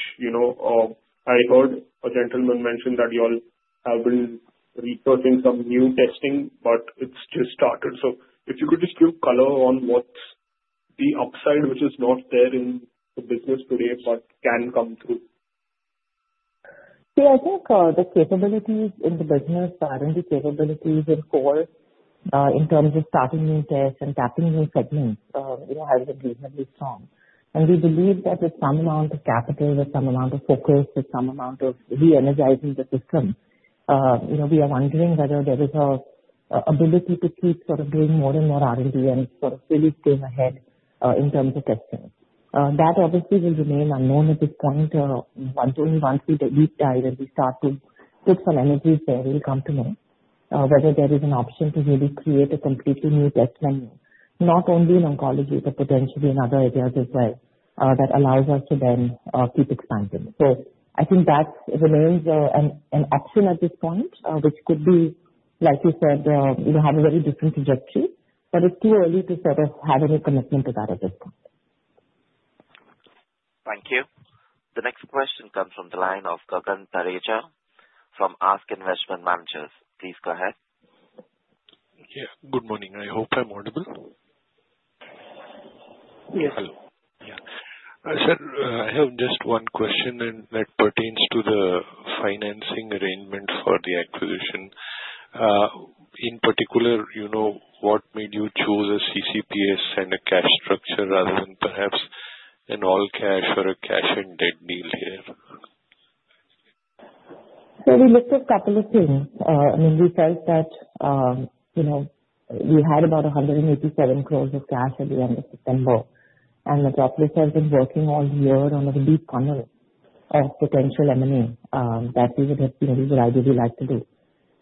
I heard a gentleman mention that you all have been researching some new testing, but it's just started. So if you could just give color on what's the upside which is not there in the business today but can come through? See, I think the capabilities in the business, the R&D capabilities in Core in terms of starting new tests and tapping new segments have been reasonably strong. And we believe that with some amount of capital, with some amount of focus, with some amount of re-energizing the system, we are wondering whether there is an ability to keep sort of doing more and more R&D and sort of really stay ahead in terms of testing. That obviously will remain unknown at this point. Once we deep dive and we start to put some energies there, we'll come to know whether there is an option to really create a completely new test menu, not only in oncology but potentially in other areas as well, that allows us to then keep expanding. So I think that remains an option at this point, which could be, like you said, have a very different trajectory. But it's too early to sort of have any commitment to that at this point. Thank you. The next question comes from the line of Gagan Thareja from ASK Investment Managers. Please go ahead. Yeah. Good morning. I hope I'm audible. Yes. Hello. Yeah. I have just one question that pertains to the financing arrangement for the acquisition. In particular, what made you choose a CCPS and a cash structure rather than perhaps an all cash or a cash and debt deal here? So we looked at a couple of things. I mean, we felt that we had about 187 crores of cash at the end of September, and Metropolis has been working all year on a deep funnel of potential M&A that we would have seen a really good idea we'd like to do.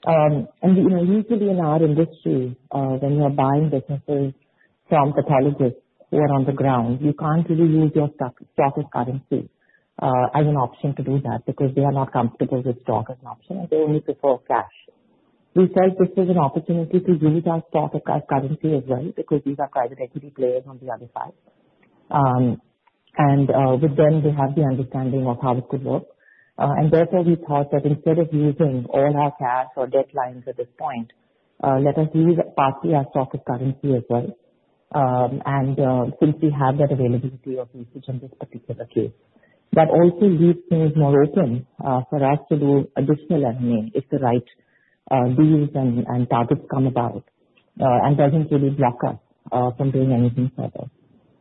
And usually in our industry, when you're buying businesses from pathologists who are on the ground, you can't really use your stock as currency as an option to do that because they are not comfortable with stock as an option, and they only prefer cash. We felt this was an opportunity to use our stock as currency as well because these are private equity players on the other side. And with them, they have the understanding of how it could work. Therefore, we thought that instead of using all our cash or debt lines at this point, let us use partly our stock as currency as well. Since we have that availability of usage in this particular case, that also leaves things more open for us to do additional M&A if the right deals and targets come about and doesn't really block us from doing anything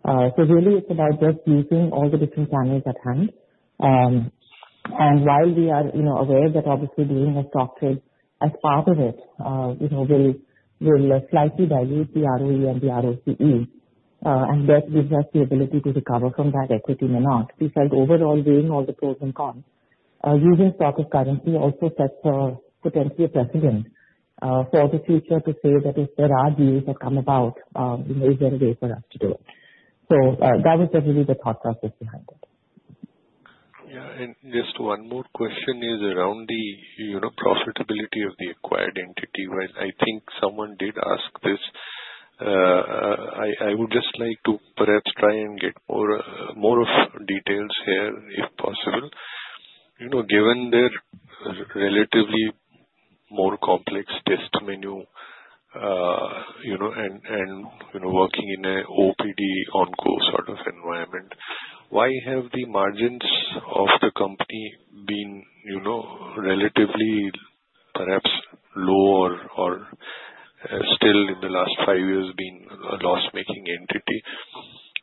further. Really, it's about just using all the different channels at hand. While we are aware that obviously doing a stock trade as part of it will slightly dilute the ROE and the ROCE, and that gives us the ability to recover from that equity or not, we felt overall, weighing all the pros and cons, using stock as currency also sets potentially a precedent for the future to say that if there are deals that come about, is there a way for us to do it. So that was really the thought process behind it. Yeah. And just one more question is around the profitability of the acquired entity. I think someone did ask this. I would just like to perhaps try and get more of details here if possible. Given their relatively more complex test menu and working in an OPD on-call sort of environment, why have the margins of the company been relatively perhaps low or still in the last five years been a loss-making entity?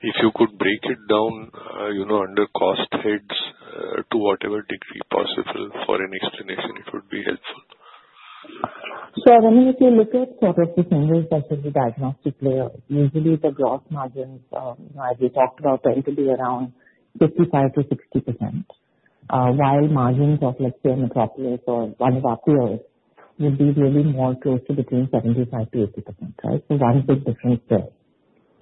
If you could break it down under cost heads to whatever degree possible for an explanation, it would be helpful. So I mean, if you look at sort of the single specialty diagnostic layer, usually the gross margins, as we talked about, tend to be around 55%-60%, while margins of, let's say, Metropolis or one of our peers would be really more close to between 75%-80%, right? So one big difference there.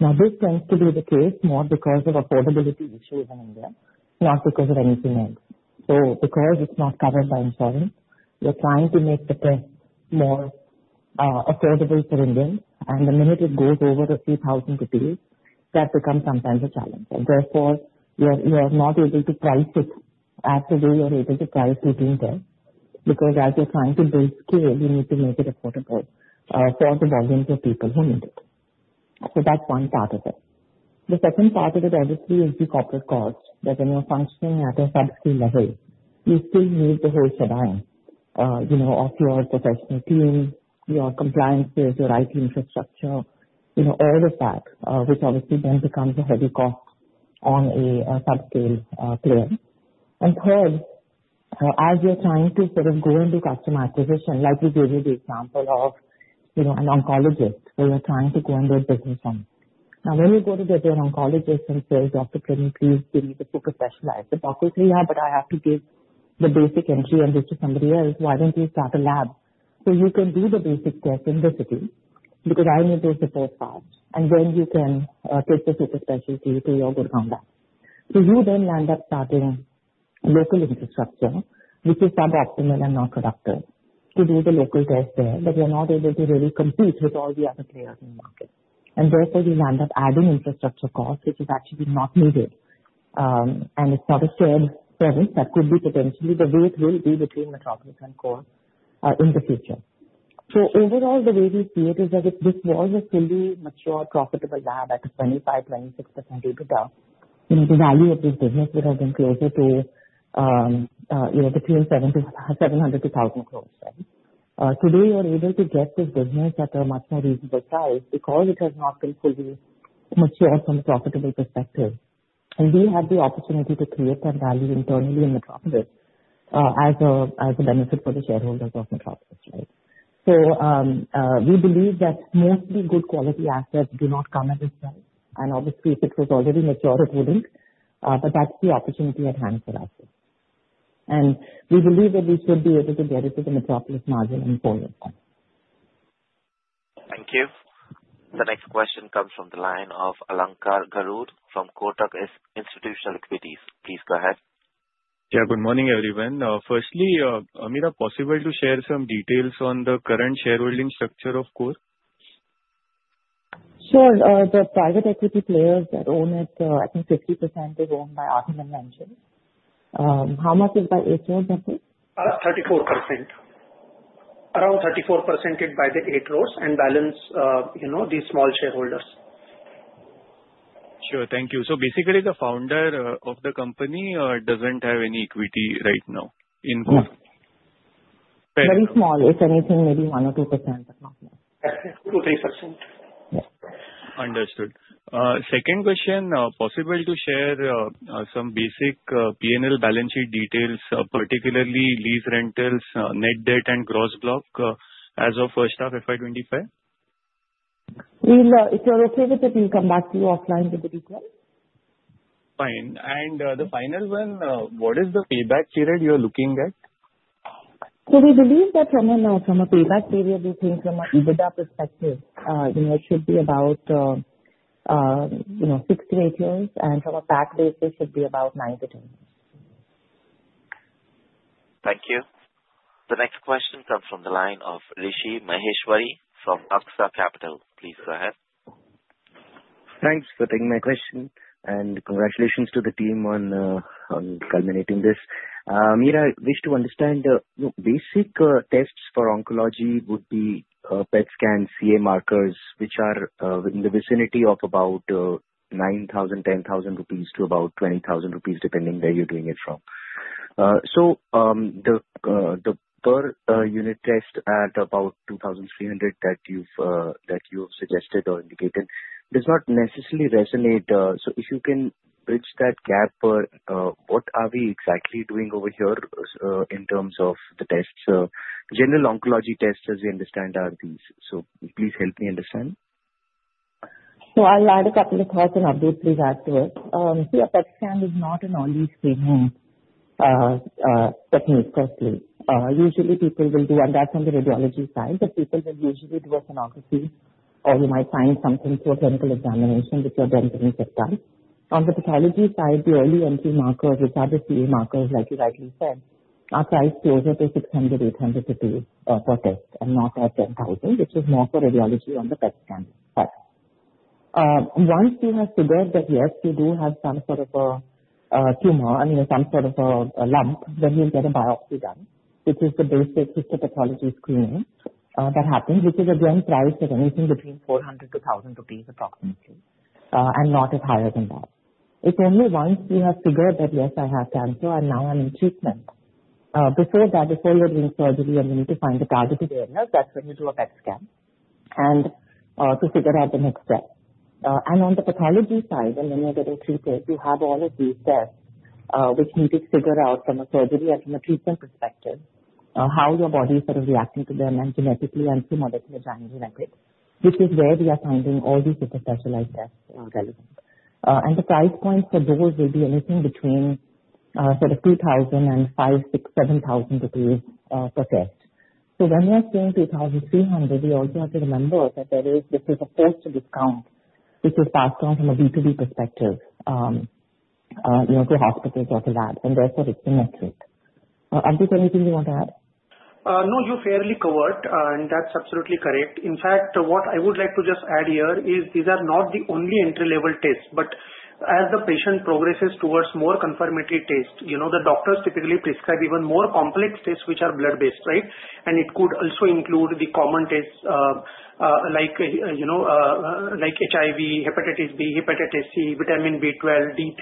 Now, this tends to be the case more because of affordability issues in India, not because of anything else. So because it's not covered by insurance, you're trying to make the test more affordable for Indians. And the minute it goes over a few thousand INR, that becomes sometimes a challenge. And therefore, you're not able to price it at the way you're able to price routine test because as you're trying to build scale, you need to make it affordable for the volumes of people who need it. So that's one part of it. The second part of it obviously is the corporate cost. That when you're functioning at a sub-scale level, you still need the whole cadre of your professional team, your compliance, your IT infrastructure, all of that, which obviously then becomes a heavy cost on a subscale player. And third, as you're trying to sort of go and do customer acquisition, like we gave you the example of an oncologist where you're trying to go and do a business on. Now, when you go to get your oncologist and say, "Doctor, can you please give me the super specialized?" The doc will say, "Yeah, but I have to give the basic entry and this to somebody else. Why don't you start a lab so you can do the basic test in the city because I need those reports fast?" And then you can take the super specialty to your central lab. So you then land up starting local infrastructure, which is suboptimal and not productive, to do the local test there, but you're not able to really compete with all the other players in the market. And therefore, you land up adding infrastructure cost, which is actually not needed. And it's not a shared service that could be potentially the way it will be between Metropolis and Core in the future. So overall, the way we see it is that if this was a fully mature, profitable lab at a 25%-26% EBITDA, the value of this business would have been closer to between 700-1,000 crores, right? Today, you're able to get this business at a much more reasonable price because it has not been fully matured from a profitable perspective. And we had the opportunity to create that value internally in Metropolis as a benefit for the shareholders of Metropolis, right? So we believe that mostly good quality assets do not come at this price. And obviously, if it was already matured, it wouldn't. But that's the opportunity at hand for us. And we believe that we should be able to get it to the Metropolis margin in four years. Thank you. The next question comes from the line of Alankar Garude from Kotak Institutional Equities. Please go ahead. Yeah. Good morning, everyone. Firstly, Ameera, possible to share some details on the current shareholding structure of Core? Sure. The private equity players that own it, I think 50% is owned by Artiman Ventures. How much is by Eight Roads, I think? 34%. Around 34% is by the Eight Roads and the balance to these small shareholders. Sure. Thank you. So basically, the founder of the company doesn't have any equity right now in Core? No. Very small. If anything, maybe 1 or 2%, but not more. 2%-3%. Understood. Second question, possible to share some basic P&L balance sheet details, particularly lease, rentals, net debt, and gross block as of first half FY25? If you're okay with it, we'll come back to you offline with the details. Fine. And the final one, what is the payback period you're looking at? We believe that from a payback period, we think from an EBITDA perspective, it should be about six to eight years. From a PAT basis, it should be about nine to 10 years. Thank you. The next question comes from the line of Rishi Maheshwari from Aksa Capital. Please go ahead. Thanks for taking my question, and congratulations to the team on culminating this. Ameera, I wish to understand basic tests for oncology would be PET scans, CA markers, which are in the vicinity of about 9,000, 10,000 rupees to about 20,000 rupees depending where you're doing it from. So the per-unit test at about 2,300 that you've suggested or indicated does not necessarily resonate. So if you can bridge that gap, what are we exactly doing over here in terms of the tests? General oncology tests, as we understand, are these. So please help me understand. So I'll add a couple of thoughts and updates, please, afterwards. See, a PET scan is not an all-in-one treatment technique, firstly. Usually, people will do, and that's on the radiology side, but people will usually do a sonography or you might find something through a clinical examination, which are initial research types. On the pathology side, the early detection markers, which are the CA markers, like you rightly said, are priced closer to 600-800 rupees for test and not at 10,000, which is more for radiology on the PET scan side. Once you have figured that, yes, you do have some sort of a tumor and some sort of a lump, then you'll get a biopsy done, which is the basic histopathology screening that happens, which is again priced at anything between 400-1,000 rupees approximately and not as high as that. It's only once you have figured that, yes, I have cancer and now I'm in treatment. Before that, before you're doing surgery and you need to find the targeted areas, that's when you do a PET scan to figure out the next step. And on the pathology side, and when you're getting treated, you have all of these tests which need to figure out from a surgery and from a treatment perspective how your body is sort of reacting to them and genetically and through molecular genome replication, which is where we are finding all these super specialized tests relevant. And the price point for those will be anything between sort of 2,000 and 5,000, 6,000, 7,000 rupees per test. So when we are seeing 2,300, we also have to remember that this is a forced discount, which is passed on from a B2B perspective to hospitals or to labs, and therefore it's symmetric. Avadhut, anything you want to add? No, you fairly covered, and that's absolutely correct. In fact, what I would like to just add here is these are not the only entry-level tests. But as the patient progresses towards more confirmatory tests, the doctors typically prescribe even more complex tests, which are blood-based, right? And it could also include the common tests like HIV, hepatitis B, hepatitis C, vitamin B12, D3.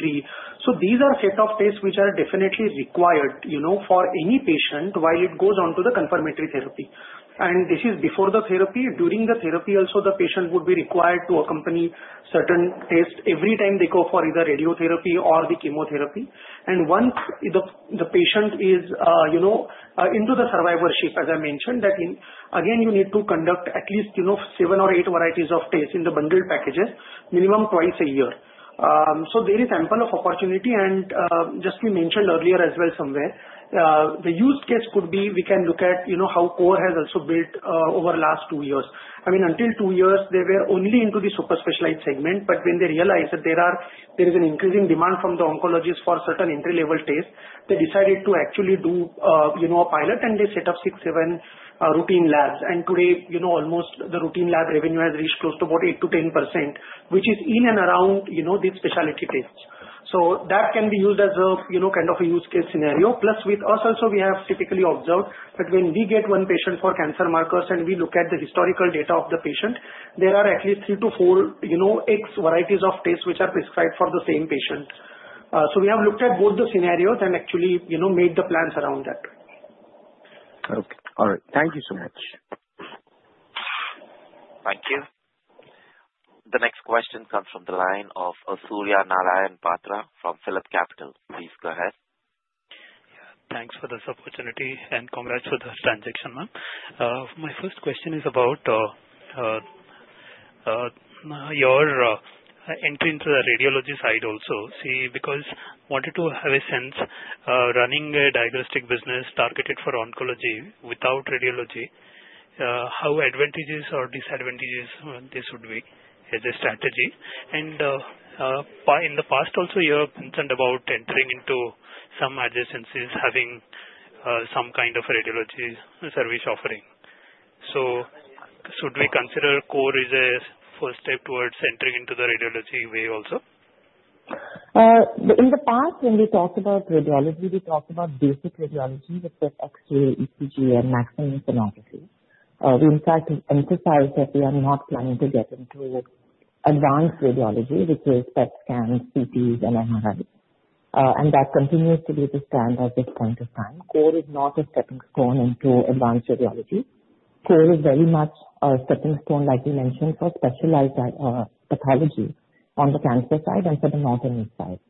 So these are a set of tests which are definitely required for any patient while it goes on to the confirmatory therapy. And this is before the therapy. During the therapy also, the patient would be required to accompany certain tests every time they go for either radiotherapy or the chemotherapy. And once the patient is into the survivorship, as I mentioned, that again, you need to conduct at least seven or eight varieties of tests in the bundled packages, minimum twice a year. There is ample of opportunity. Just we mentioned earlier as well somewhere, the use case could be we can look at how Core has also built over the last two years. I mean, until two years, they were only into the super specialized segment. When they realized that there is an increasing demand from the oncologists for certain entry-level tests, they decided to actually do a pilot, and they set up six, seven routine labs. Today, almost the routine lab revenue has reached close to about 8%-10%, which is in and around these specialty tests. That can be used as a kind of a use case scenario. Plus, with us also, we have typically observed that when we get one patient for cancer markers and we look at the historical data of the patient, there are at least three to four various varieties of tests which are prescribed for the same patient. So we have looked at both the scenarios and actually made the plans around that. Okay. All right. Thank you so much. Thank you. The next question comes from the line of Surya Narayan Patra from PhillipCapital. Please go ahead. Yeah. Thanks for this opportunity and congrats for the transaction, ma'am. My first question is about your entry into the radiology side also. See, because I wanted to have a sense running a diagnostic business targeted for oncology without radiology, how advantageous or disadvantageous this would be as a strategy. And in the past also, you have mentioned about entering into some adjacencies having some kind of radiology service offering. So should we consider Core as a first step towards entering into the radiology way also? In the past, when we talked about radiology, we talked about basic radiology with X-ray, ECG, and maximum sonography. We, in fact, emphasized that we are not planning to get into advanced radiology, which is PET scans, CTs, and MRIs. And that continues to be the standard at this point of time. Core is not a stepping stone into advanced radiology. Core is very much a stepping stone, like you mentioned, for specialized pathology on the cancer side and for the North India and East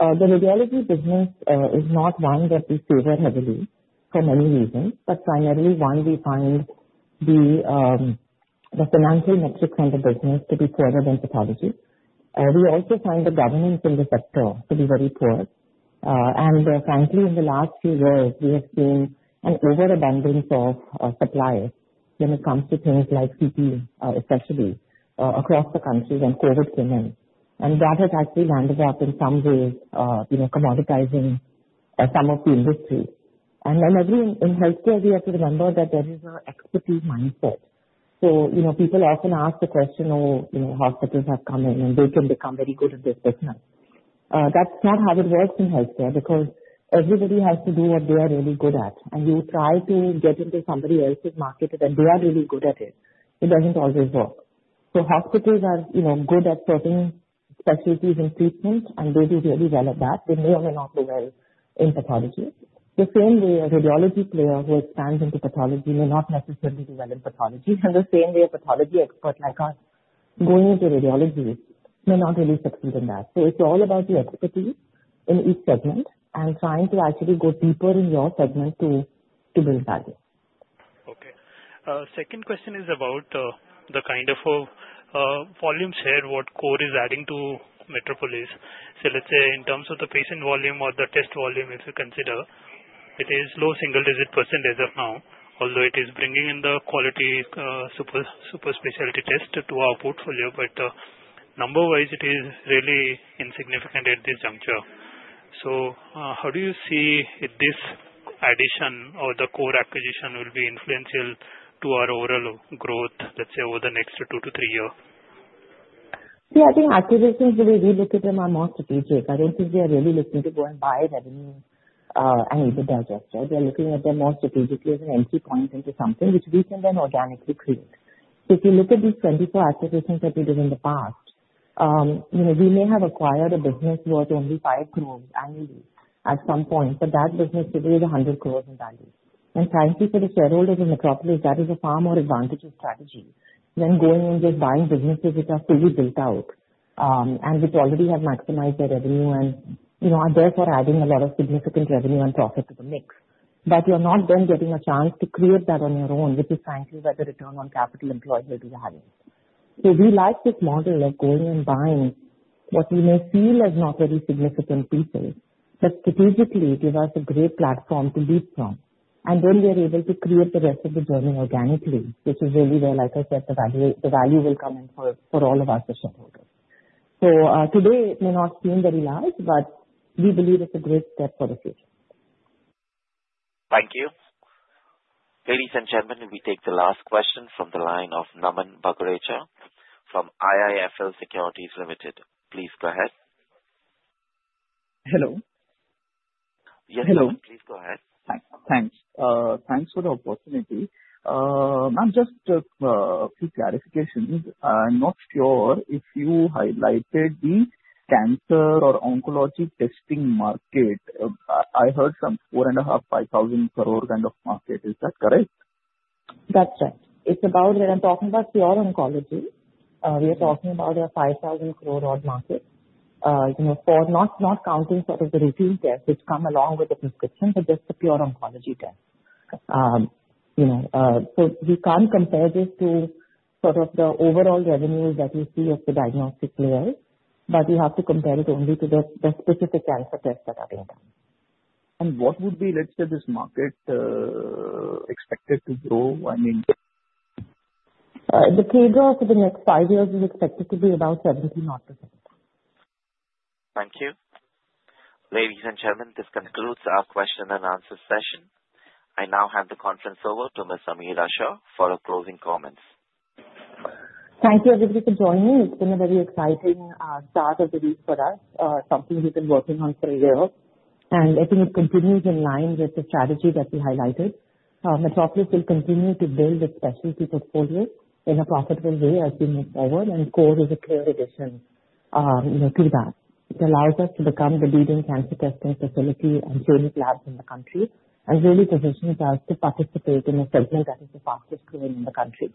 India. The radiology business is not one that we favor heavily for many reasons, but primarily one, we find the financial metrics on the business to be poorer than pathology. We also find the governance in the sector to be very poor. And frankly, in the last few years, we have seen an overabundance of suppliers when it comes to things like CT, especially across the country when COVID came in. And that has actually landed us in some ways commoditizing some of the industry. And then in healthcare, we have to remember that there is an expertise mindset. So people often ask the question, "Oh, hospitals have come in, and they can become very good at this business." That's not how it works in healthcare because everybody has to do what they are really good at. And you try to get into somebody else's market and they are really good at it. It doesn't always work. So hospitals are good at certain specialties in treatment, and they do really well at that. They may or may not do well in pathology. The same way a radiology player who expands into pathology may not necessarily do well in pathology, and the same way a pathology expert like us going into radiology may not really succeed in that, so it's all about the expertise in each segment and trying to actually go deeper in your segment to build value. Okay. Second question is about the kind of volume share what Core is adding to Metropolis. So let's say in terms of the patient volume or the test volume, if you consider, it is low single-digit % as of now, although it is bringing in the quality super specialty test to our portfolio. But number-wise, it is really insignificant at this juncture. So how do you see this addition or the Core acquisition will be influential to our overall growth, let's say, over the next two to three years? See, I think acquisitions will be driven by more strategic. I don't think we are really looking to go and buy revenue and even digest it. We are looking at them more strategically as an entry point into something which we can then organically create. So if you look at these 24 acquisitions that we did in the past, we may have acquired a business worth only 5 crores annually at some point, but that business today is 100 crores in value. And frankly, for the shareholders of Metropolis, that is a far more advantageous strategy than going and just buying businesses which are fully built out and which already have maximized their revenue and are therefore adding a lot of significant revenue and profit to the mix. But you're not then getting a chance to create that on your own, which is frankly where the return on capital employed will be higher. So we like this model of going and buying what we may feel as not very significant pieces, but strategically give us a great platform to leapfrog. And then we are able to create the rest of the journey organically, which is really where, like I said, the value will come in for all of us as shareholders. So today, it may not seem very large, but we believe it's a great step for the future. Thank you. Ladies and gentlemen, we take the last question from the line of Naman Bagrecha from IIFL Securities Limited. Please go ahead. Hello. Yes, Naman. Please go ahead. Thanks. Thanks for the opportunity. Ma'am, just a few clarifications. I'm not sure if you highlighted the cancer or oncology testing market. I heard some 4.5-5,000 crore kind of market. Is that correct? That's right. It's about when I'm talking about pure oncology, we are talking about an INR 5,000-crore-odd market for not counting sort of the routine tests which come along with the prescription, but just the pure oncology tests. So we can't compare this to sort of the overall revenues that we see of the diagnostic labs, but we have to compare it only to the specific cancer tests that are being done. And what would be, let's say, this market expected to grow? I mean. The pay growth for the next five years is expected to be about 70, not 50. Thank you. Ladies and gentlemen, this concludes our question and answer session. I now hand the conference over to Ms. Ameera Shah for her closing comments. Thank you, everybody, for joining. It's been a very exciting start of the week for us, something we've been working on for a year. And I think it continues in line with the strategy that we highlighted. Metropolis will continue to build its specialty portfolio in a profitable way as we move forward, and Core is a clear addition to that. It allows us to become the leading cancer testing facility and clinic labs in the country and really positions us to participate in a segment that is the fastest growing in the country.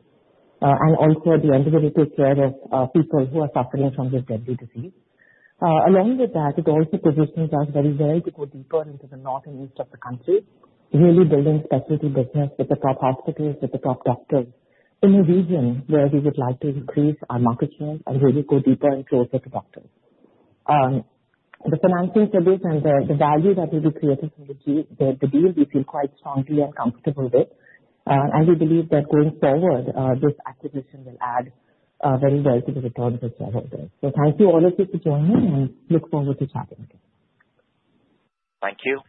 And also, at the end of the day, take care of people who are suffering from this deadly disease. Along with that, it also positions us very well to go deeper into the north and east of the country, really building specialty business with the top hospitals, with the top doctors in a region where we would like to increase our market share and really go deeper and closer to doctors. The financing for this and the value that will be created from the deal, we feel quite strongly and comfortable with. And we believe that going forward, this acquisition will add very well to the returns of shareholders. So thank you all of you for joining, and look forward to chatting again. Thank you.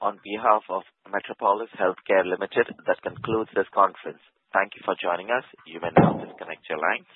On behalf of Metropolis Healthcare Limited, that concludes this conference. Thank you for joining us. You may now disconnect your lines.